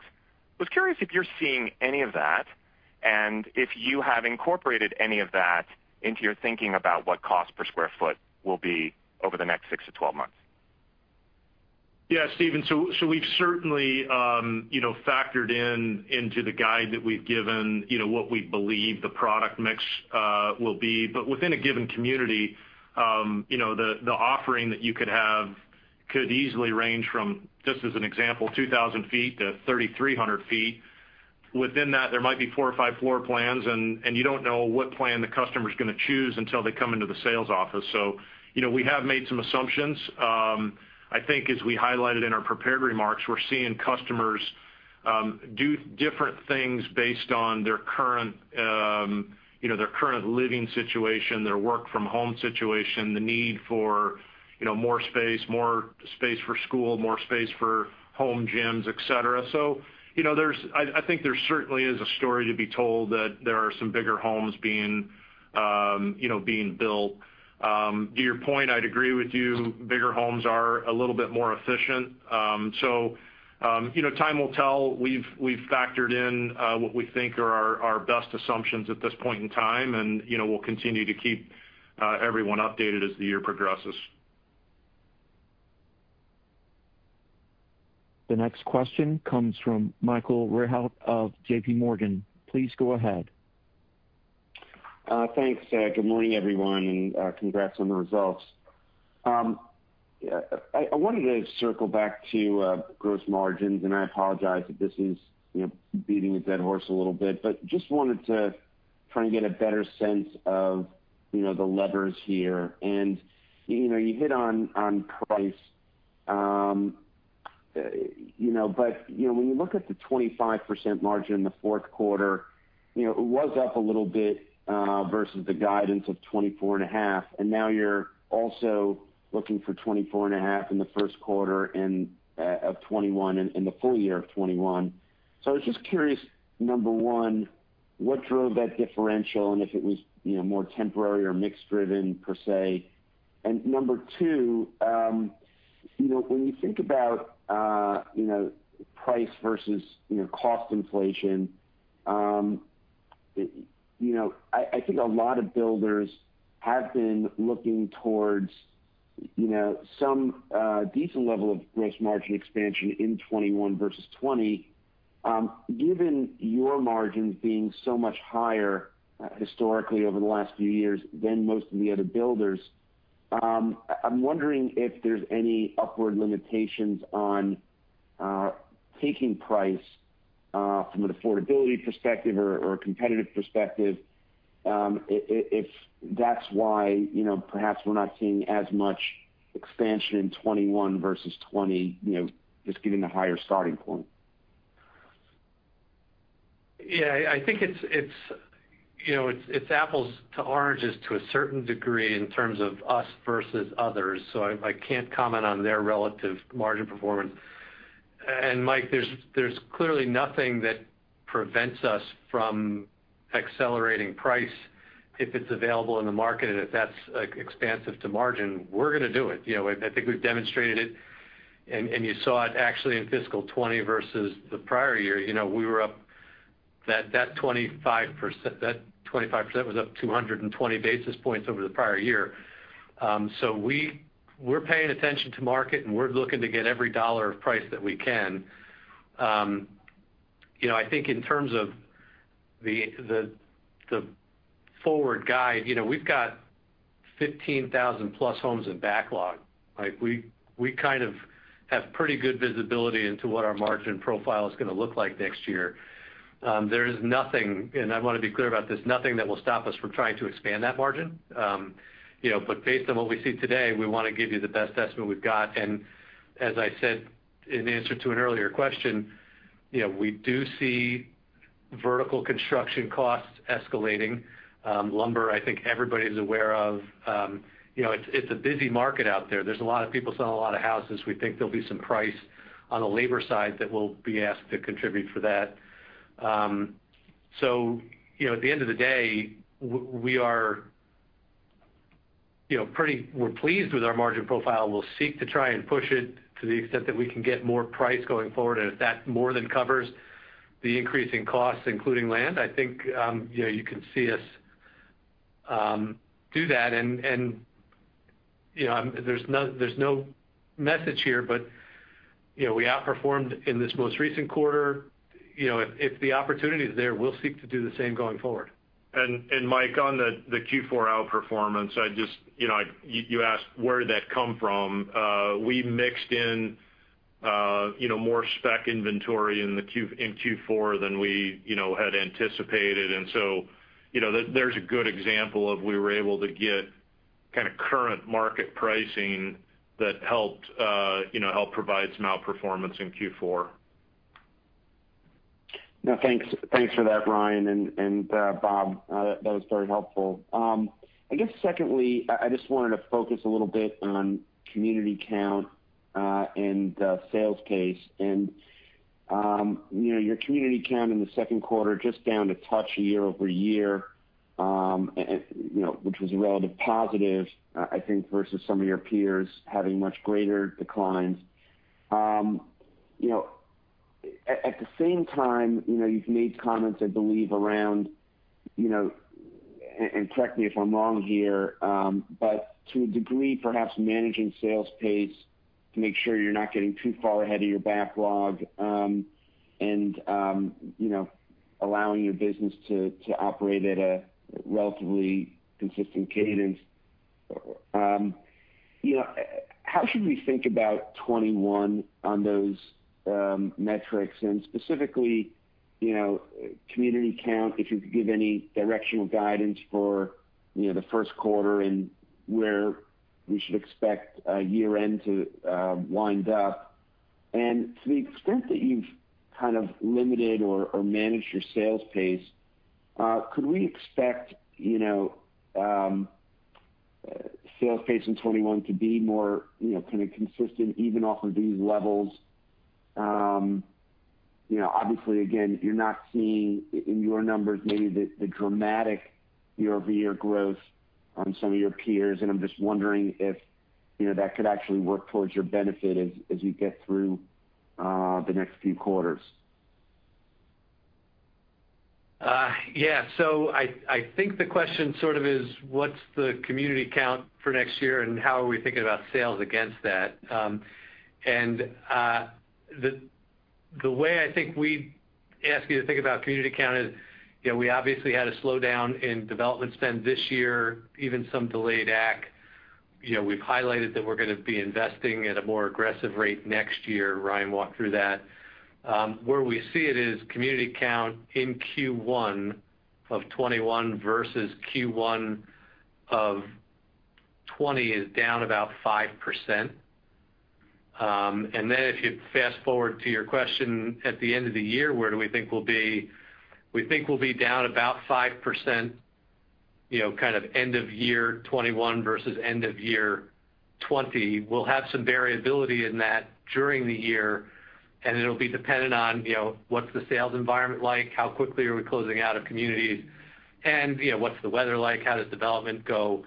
Was curious if you're seeing any of that, and if you have incorporated any of that into your thinking about what cost per square foot will be over the next 6-12 months. Yeah, Stephen. We've certainly factored in into the guide that we've given, what we believe the product mix will be. Within a given community, the offering that you could have could easily range from, just as an example, 2,000 ft-3,300 ft. Within that, there might be four or five floor plans, and you don't know what plan the customer's going to choose until they come into the sales office. We have made some assumptions. I think as we highlighted in our prepared remarks, we're seeing customers do different things based on their current living situation, their work from home situation, the need for more space, more space for school, more space for home gyms, et cetera. I think there certainly is a story to be told that there are some bigger homes being built. To your point, I'd agree with you. Bigger homes are a little bit more efficient. Time will tell. We've factored in what we think are our best assumptions at this point in time, and we'll continue to keep everyone updated as the year progresses. The next question comes from Michael Rehaut of JPMorgan. Please go ahead. Thanks. Good morning, everyone, congrats on the results. I wanted to circle back to gross margins, and I apologize if this is beating a dead horse a little bit. Just wanted to try and get a better sense of the levers here. You hit on price, but when you look at the 25% margin in the fourth quarter, it was up a little bit, versus the guidance of 24.5%. Now you're also looking for 24.5% in the first quarter of 2021 and the full year of 2021. I was just curious, number one, what drove that differential and if it was more temporary or mix driven, per se. Number two, when you think about price versus cost inflation, I think a lot of builders have been looking towards some decent level of gross margin expansion in 2021 versus 2020. Given your margins being so much higher historically over the last few years than most of the other builders, I'm wondering if there's any upward limitations on taking price from an affordability perspective or a competitive perspective. If that's why perhaps we're not seeing as much expansion in 2021 versus 2020, just given the higher starting point? Yeah. I think it's apples to oranges to a certain degree in terms of us versus others, so I can't comment on their relative margin performance. Mike, there's clearly nothing that prevents us from accelerating price if it's available in the market. If that's expansive to margin, we're going to do it. I think we've demonstrated it, and you saw it actually in fiscal 2020 versus the prior year. That 25% was up 220 basis points over the prior year. We're paying attention to market, and we're looking to get every dollar of price that we can. I think in terms of the forward guide, we've got 15,000+ homes in backlog. We kind of have pretty good visibility into what our margin profile is going to look like next year. There is nothing, and I want to be clear about this, nothing that will stop us from trying to expand that margin. Based on what we see today, we want to give you the best estimate we've got. As I said in answer to an earlier question, we do see vertical construction costs escalating. Lumber, I think everybody is aware of. It's a busy market out there. There's a lot of people selling a lot of houses. We think there'll be some price on the labor side that we'll be asked to contribute for that. At the end of the day, we're pleased with our margin profile. We'll seek to try and push it to the extent that we can get more price going forward, and if that more than covers the increase in costs, including land, I think you can see us do that. There's no message here, but we outperformed in this most recent quarter. If the opportunity is there, we'll seek to do the same going forward. Mike, on the Q4 outperformance, you asked, where did that come from? We mixed in more spec inventory in Q4 than we had anticipated. There's a good example of we were able to get kind of current market pricing that helped provide some outperformance in Q4. Thanks for that, Ryan and Bob. That was very helpful. I guess secondly, I just wanted to focus a little bit on community count and sales pace. Your community count in the second quarter just down a touch year-over-year, which was a relative positive, I think, versus some of your peers having much greater declines. At the same time, you've made comments, I believe, around, and correct me if I'm wrong here, but to a degree, perhaps managing sales pace to make sure you're not getting too far ahead of your backlog, and allowing your business to operate at a relatively consistent cadence. How should we think about 2021 on those metrics and specifically, community count, if you could give any directional guidance for the first quarter and where we should expect year-end to wind up. To the extent that you've kind of limited or managed your sales pace, could we expect sales pace in 2021 to be more consistent even off of these levels? Obviously, again, you're not seeing in your numbers maybe the dramatic year-over-year growth on some of your peers. I'm just wondering if that could actually work towards your benefit as you get through the next few quarters. Yeah. I think the question sort of is what's the community count for next year, and how are we thinking about sales against that? The way I think we'd ask you to think about community count is, we obviously had a slowdown in development spend this year, even some delayed ACC. We've highlighted that we're going to be investing at a more aggressive rate next year. Ryan walked through that. Where we see it is community count in Q1 of 2021 versus Q1 of 2020 is down about 5%. If you fast-forward to your question at the end of the year, where do we think we'll be? We think we'll be down about 5%, kind of end of year 2021 versus end of year 2020. We'll have some variability in that during the year, and it'll be dependent on what's the sales environment like, how quickly are we closing out of communities, and what's the weather like, how does development go?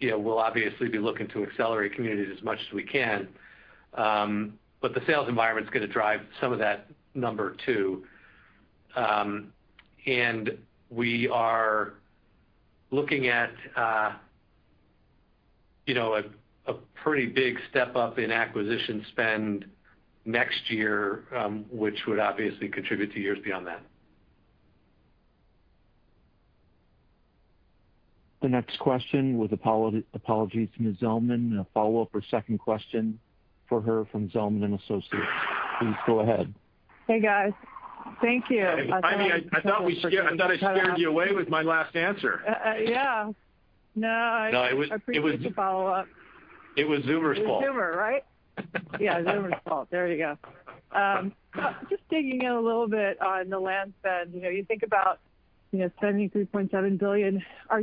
We'll obviously be looking to accelerate communities as much as we can. The sales environment's going to drive some of that number too. We are looking at a pretty big step-up in acquisition spend next year, which would obviously contribute to years beyond that. The next question, with apologies to Ms. Zelman, a follow-up or second question for her from Zelman & Associates. Please go ahead. Hey, guys. Thank you. Ivy, I thought I scared you away with my last answer. Yeah. No. No, it was- I appreciate the follow-up. It was Zeumer's fault. It was Zeumer, right? Yeah, Zeumer's fault. There you go. Just digging in a little bit on the land spend. You think about $73.7 billion. Are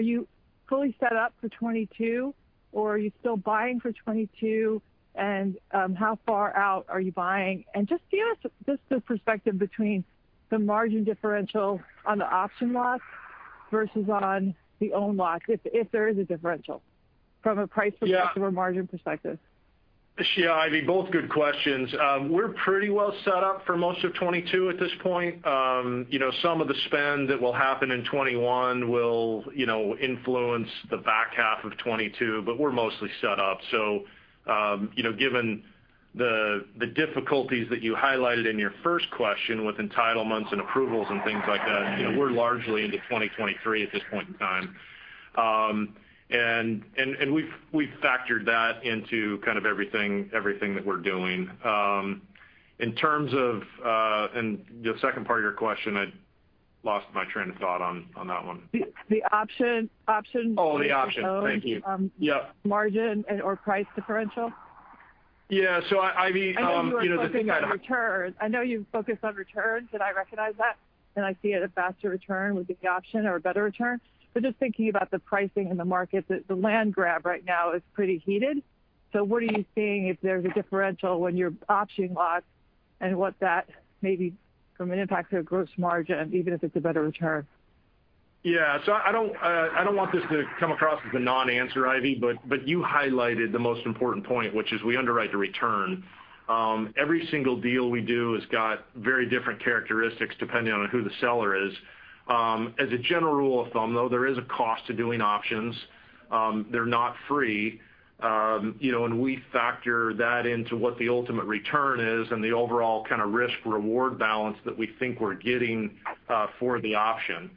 you fully set up for 2022, or are you still buying for 2022? How far out are you buying? Just give us the perspective between the margin differential on the option lots versus on the owned lots, if there is a differential from a price-. Yeah. Perspective or margin perspective. Yeah, Ivy, both good questions. We're pretty well set up for most of 2022 at this point. Some of the spend that will happen in 2021 will influence the back half of 2022, but we're mostly set up. Given the difficulties that you highlighted in your first question with entitlements and approvals and things like that, we're largely into 2023 at this point in time. We've factored that into kind of everything that we're doing. The second part of your question, I lost my train of thought on that one. The option versus owned- Oh, the option. Thank you. Yep. Margin and/or price differential. Yeah, Ivy. I know you are focused on returns. I know you've focused on returns, and I recognize that, and I see it a faster return with the option or a better return. Just thinking about the pricing in the market, the land grab right now is pretty heated. What are you seeing if there's a differential when you're optioning lots, and what that maybe from an impact to a gross margin, even if it's a better return? Yeah. I don't want this to come across as a non-answer, Ivy, you highlighted the most important point, which is we underwrite the return. Every single deal we do has got very different characteristics depending on who the seller is. As a general rule of thumb, though, there is a cost to doing options. They're not free. We factor that into what the ultimate return is and the overall kind of risk/reward balance that we think we're getting for the option.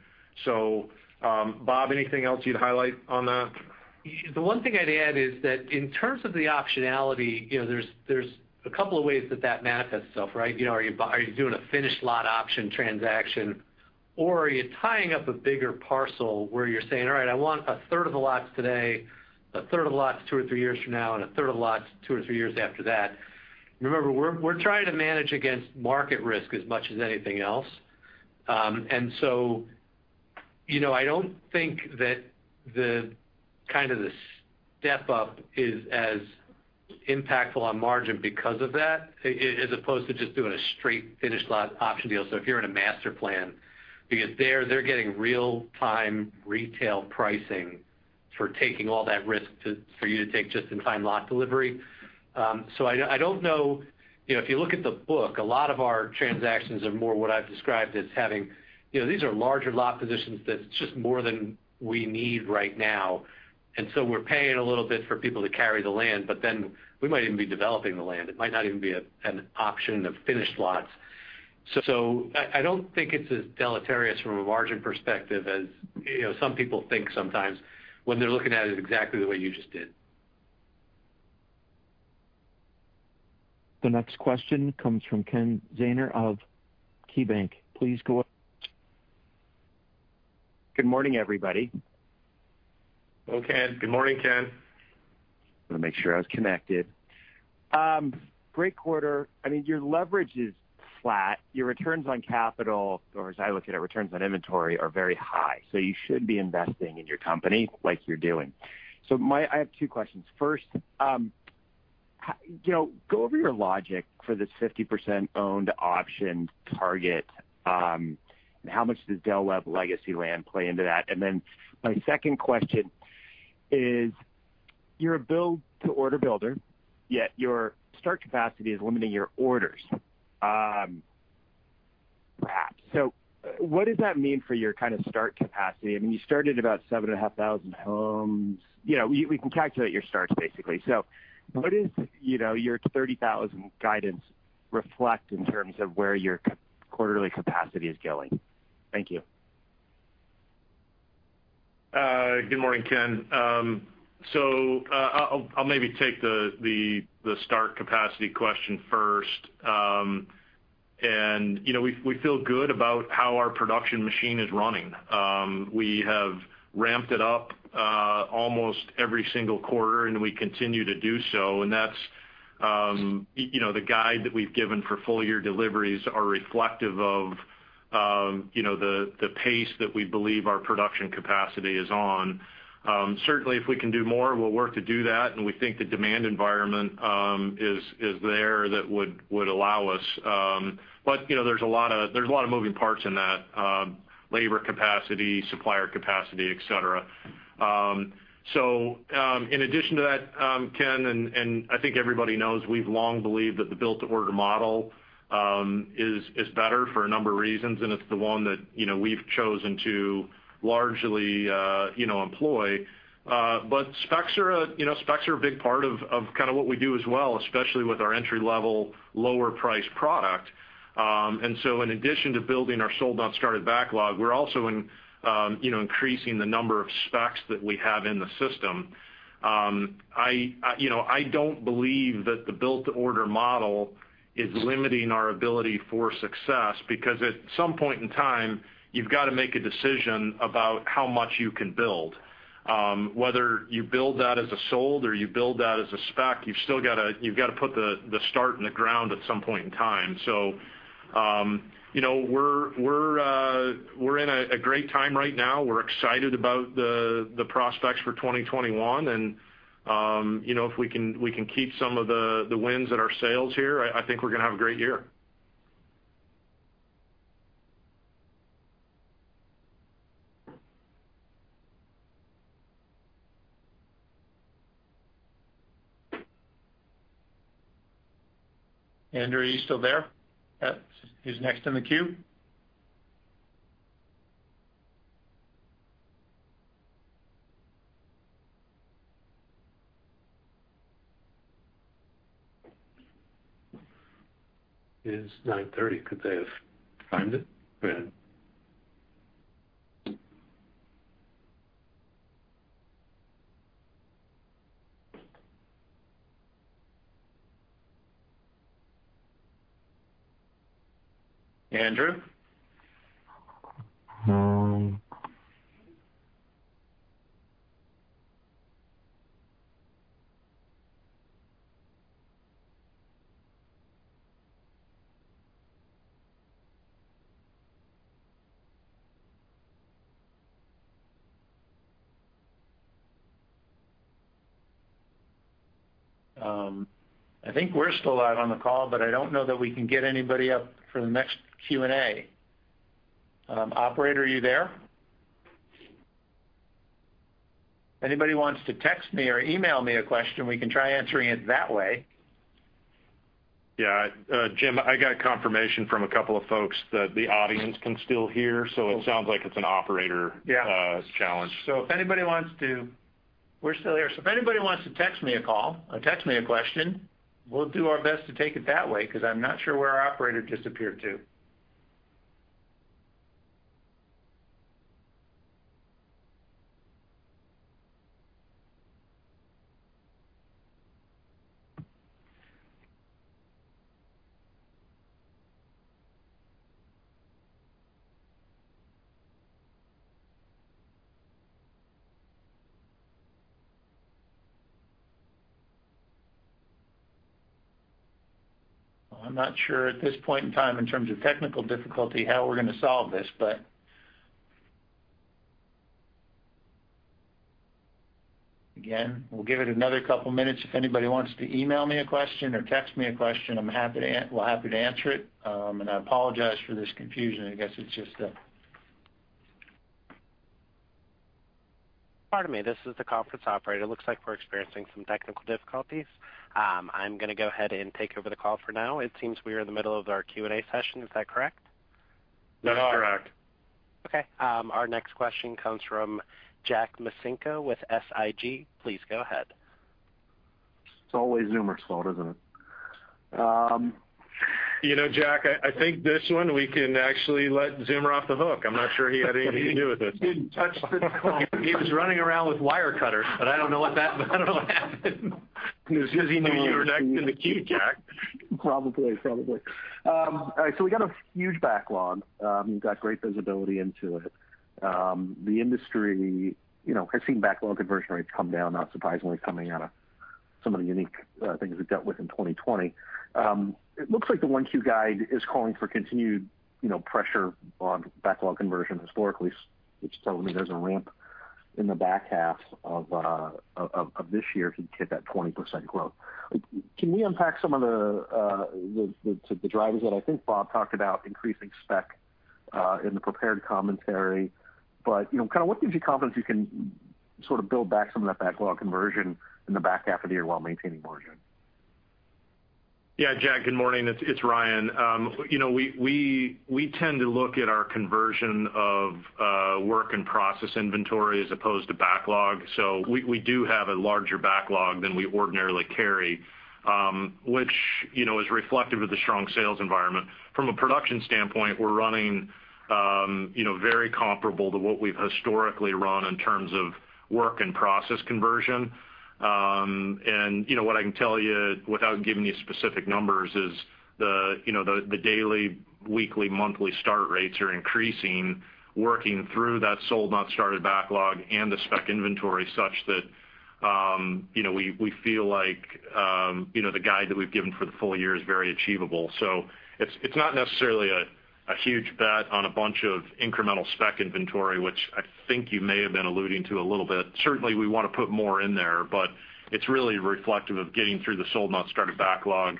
Bob, anything else you'd highlight on that? The one thing I'd add is that in terms of the optionality, there's a couple of ways that that manifests itself, right? Are you doing a finished lot option transaction, or are you tying up a bigger parcel where you're saying, "All right. I want a third of the lots today, a third of the lots two or three years from now, and a third of the lots two or three years after that." Remember, we're trying to manage against market risk as much as anything else. I don't think that the kind of the step-up is as impactful on margin because of that, as opposed to just doing a straight finished lot option deal. If you're in a master plan, because they're getting real-time retail pricing for taking all that risk for you to take just in time lot delivery. I don't know. If you look at the book, a lot of our transactions are more what I've described as. These are larger lot positions that's just more than we need right now, and so we're paying a little bit for people to carry the land, but then we might even be developing the land. It might not even be an option of finished lots. I don't think it's as deleterious from a margin perspective as some people think sometimes when they're looking at it exactly the way you just did. The next question comes from Ken Zener of KeyBanc. Please go. Good morning, everybody. Hello, Ken. Good morning, Ken. I want to make sure I was connected. Great quarter. Your leverage is flat. Your returns on capital, or as I look at it, returns on inventory, are very high. You should be investing in your company like you're doing. I have two questions. First, go over your logic for this 50% owned option target. How much does Del Webb legacy land play into that? My second question is, you're a build to order builder, yet your start capacity is limiting your orders, perhaps. What does that mean for your kind of start capacity? You started about 7,500 homes. We can calculate your starts, basically. What does your 30,000 guidance reflect in terms of where your quarterly capacity is going? Thank you. Good morning, Ken. I'll maybe take the start capacity question first. We feel good about how our production machine is running. We have ramped it up almost every single quarter, and we continue to do so, and the guide that we've given for full-year deliveries are reflective of the pace that we believe our production capacity is on. Certainly, if we can do more, we'll work to do that, and we think the demand environment is there that would allow us. There's a lot of moving parts in that, labor capacity, supplier capacity, et cetera. In addition to that, Ken, and I think everybody knows, we've long believed that the built-to-order model is better for a number of reasons, and it's the one that we've chosen to largely employ. Specs are a big part of what we do as well, especially with our entry-level, lower-priced product. In addition to building our sold unstarted backlog, we're also increasing the number of specs that we have in the system. I don't believe that the built-to-order model is limiting our ability for success because at some point in time, you've got to make a decision about how much you can build. Whether you build that as a sold or you build that as a spec, you've still got to put the start in the ground at some point in time. We're in a great time right now. We're excited about the prospects for 2021. If we can keep some of the [winds at our sails] here, I think we're going to have a great year. Andrew, are you still there? Who's next in the queue. It is 9:30 A.M. Find it? Yeah. Andrew? I think we're still live on the call, but I don't know that we can get anybody up for the next Q&A. Operator, are you there? Anybody wants to text me or email me a question, we can try answering it that way. Yeah. Jim, I got confirmation from a couple of folks that the audience can still hear. It sounds like it's an operator. Yeah. Challenge. We're still here. If anybody wants to text me a question, we'll do our best to take it that way, because I'm not sure where our operator disappeared to. I'm not sure at this point in time, in terms of technical difficulty, how we're going to solve this, but again, we'll give it another couple of minutes. If anybody wants to email me a question or text me a question, we're happy to answer it. I apologize for this confusion. Pardon me. This is the conference operator. Looks like we're experiencing some technical difficulties. I'm going to go ahead and take over the call for now. It seems we are in the middle of our Q&A session. Is that correct? That is correct. We are. Okay. Our next question comes from Jack Micenko with SIG. Please go ahead. It's always Zeumer's fault, isn't it? You know, Jack, I think this one we can actually let Zeumer off the hook. I'm not sure he had anything to do with this. He didn't touch the call. He was running around with wire cutters, but I don't know what happened. It's because he knew you were next in the queue, Jack. Probably. We got a huge backlog. We've got great visibility into it. The industry has seen backlog conversion rates come down, not surprisingly, coming out of some of the unique things we've dealt with in 2020. It looks like the 1Q guide is calling for continued pressure on backlog conversion historically, which tells me there's a ramp in the back half of this year to hit that 20% growth. Can we unpack some of the drivers that I think Bob talked about increasing spec in the prepared commentary, but what gives you confidence you can sort of build back some of that backlog conversion in the back half of the year while maintaining margin? Yeah, Jack, good morning. It's Ryan. We tend to look at our conversion of work in process inventory as opposed to backlog. We do have a larger backlog than we ordinarily carry, which is reflective of the strong sales environment. From a production standpoint, we're running very comparable to what we've historically run in terms of work in process conversion. What I can tell you without giving you specific numbers is the daily, weekly, monthly start rates are increasing, working through that sold not started backlog and the spec inventory such that we feel like the guide that we've given for the full year is very achievable. It's not necessarily a huge bet on a bunch of incremental spec inventory, which I think you may have been alluding to a little bit. Certainly, we want to put more in there, but it's really reflective of getting through the sold not started backlog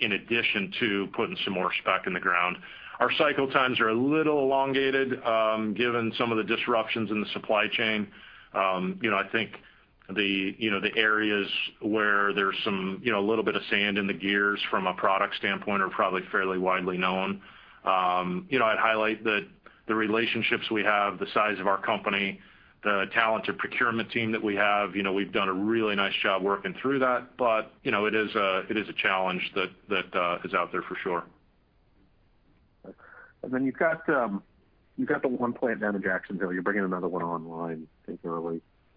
in addition to putting some more spec in the ground. Our cycle times are a little elongated given some of the disruptions in the supply chain. I think the areas where there's a little bit of sand in the gears from a product standpoint are probably fairly widely known. I'd highlight that the relationships we have, the size of our company, the talented procurement team that we have, we've done a really nice job working through that. It is a challenge that is out there for sure. You've got the one plant down in Jacksonville. You're bringing another one online, I think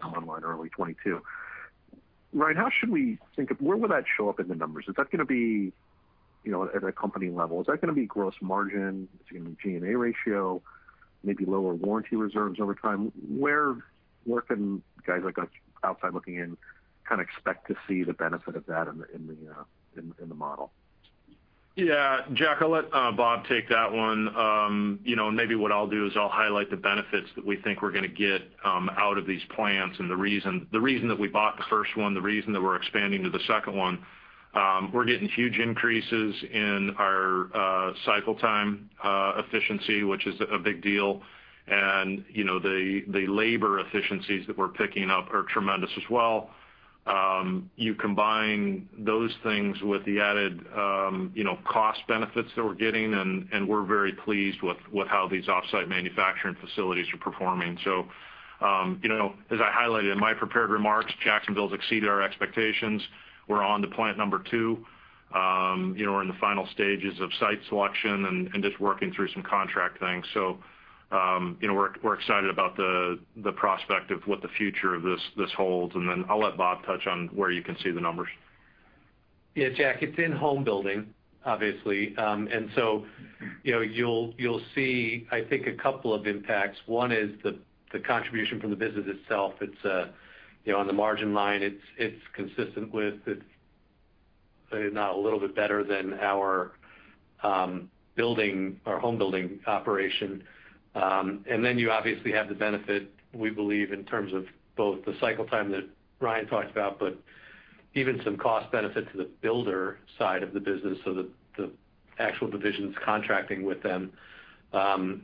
online early 2022. Ryan, where will that show up in the numbers? At a company level, is that going to be gross margin? Is it going to be SG&A ratio, maybe lower warranty reserves over time? Where can guys like us outside looking in kind of expect to see the benefit of that in the model? Yeah. Jack, I'll let Bob take that one. Maybe what I'll do is I'll highlight the benefits that we think we're going to get out of these plants and the reason that we bought the first one, the reason that we're expanding to the second one. We're getting huge increases in our cycle time efficiency, which is a big deal. The labor efficiencies that we're picking up are tremendous as well. You combine those things with the added cost benefits that we're getting, and we're very pleased with how these off-site manufacturing facilities are performing. As I highlighted in my prepared remarks, Jacksonville's exceeded our expectations. We're on to plant number two. We're in the final stages of site selection and just working through some contract things. We're excited about the prospect of what the future of this holds. Then I'll let Bob touch on where you can see the numbers. Yeah, Jack, it's in home building, obviously. You'll see, I think, a couple of impacts. One is the contribution from the business itself. On the margin line, it's consistent with, if not a little bit better than our home building operation. You obviously have the benefit, we believe, in terms of both the cycle time that Ryan talked about, but even some cost benefit to the builder side of the business, so the actual divisions contracting with them. There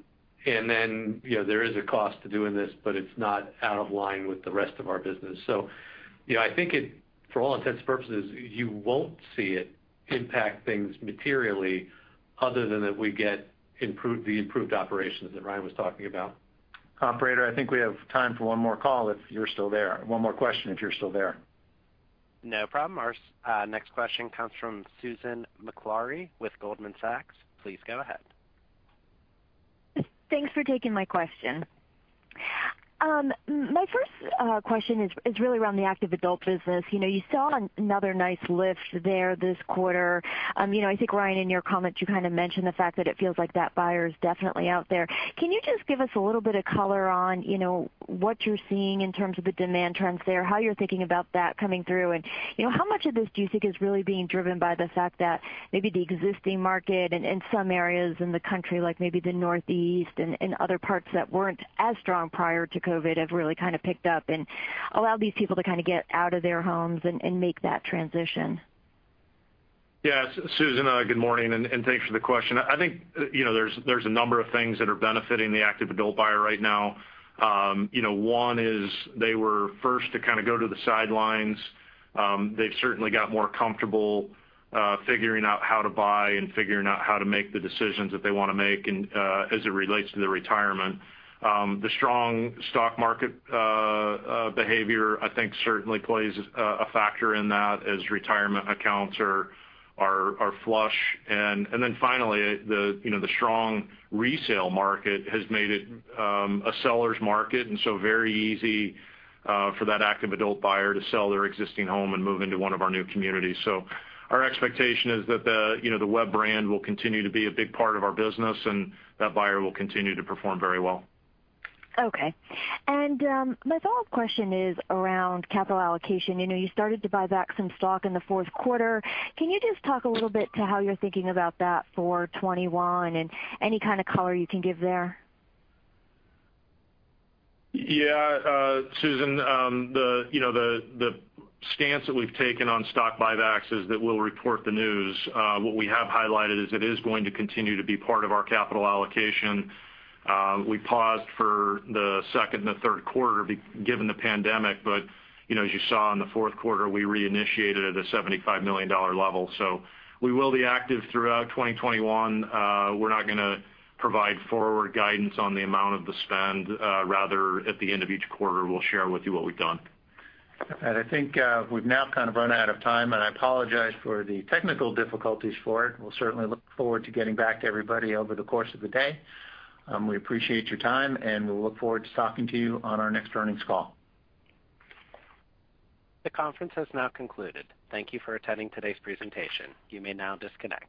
is a cost to doing this, but it's not out of line with the rest of our business. I think for all intents and purposes, you won't see it impact things materially other than that we get the improved operations that Ryan was talking about. Operator, I think we have time for one more call if you're still there. One more question if you're still there. No problem. Our next question comes from Susan Maklari with Goldman Sachs. Please go ahead. Thanks for taking my question. My first question is really around the active-adult business. You saw another nice lift there this quarter. I think, Ryan, in your comments, you kind of mentioned the fact that it feels like that buyer is definitely out there. Can you just give us a little bit of color on what you're seeing in terms of the demand trends there, how you're thinking about that coming through, and how much of this do you think is really being driven by the fact that maybe the existing market in some areas in the country, like maybe the Northeast and other parts that weren't as strong prior to COVID have really kind of picked up and allowed these people to kind of get out of their homes and make that transition? Yeah. Susan, good morning, thanks for the question. I think there's a number of things that are benefiting the active-adult buyer right now. One is they were first to kind of go to the sidelines. They've certainly got more comfortable figuring out how to buy and figuring out how to make the decisions that they want to make as it relates to their retirement. The strong stock market behavior, I think, certainly plays a factor in that as retirement accounts are flush. Finally, the strong resale market has made it a seller's market, very easy for that active-adult buyer to sell their existing home and move into one of our new communities. Our expectation is that the Webb brand will continue to be a big part of our business, that buyer will continue to perform very well. Okay. My follow-up question is around capital allocation. You started to buy back some stock in the fourth quarter. Can you just talk a little bit to how you're thinking about that for 2021 and any kind of color you can give there? Susan, the stance that we've taken on stock buybacks is that we'll report the news. What we have highlighted is it is going to continue to be part of our capital allocation. We paused for the second and the third quarter given the pandemic, but as you saw in the fourth quarter, we reinitiated at a $75 million level. We will be active throughout 2021. We're not going to provide forward guidance on the amount of the spend. Rather, at the end of each quarter, we'll share with you what we've done. I think we've now kind of run out of time, and I apologize for the technical difficulties for it. We'll certainly look forward to getting back to everybody over the course of the day. We appreciate your time, and we'll look forward to talking to you on our next earnings call. The conference has now concluded. Thank you for attending today's presentation. You may now disconnect.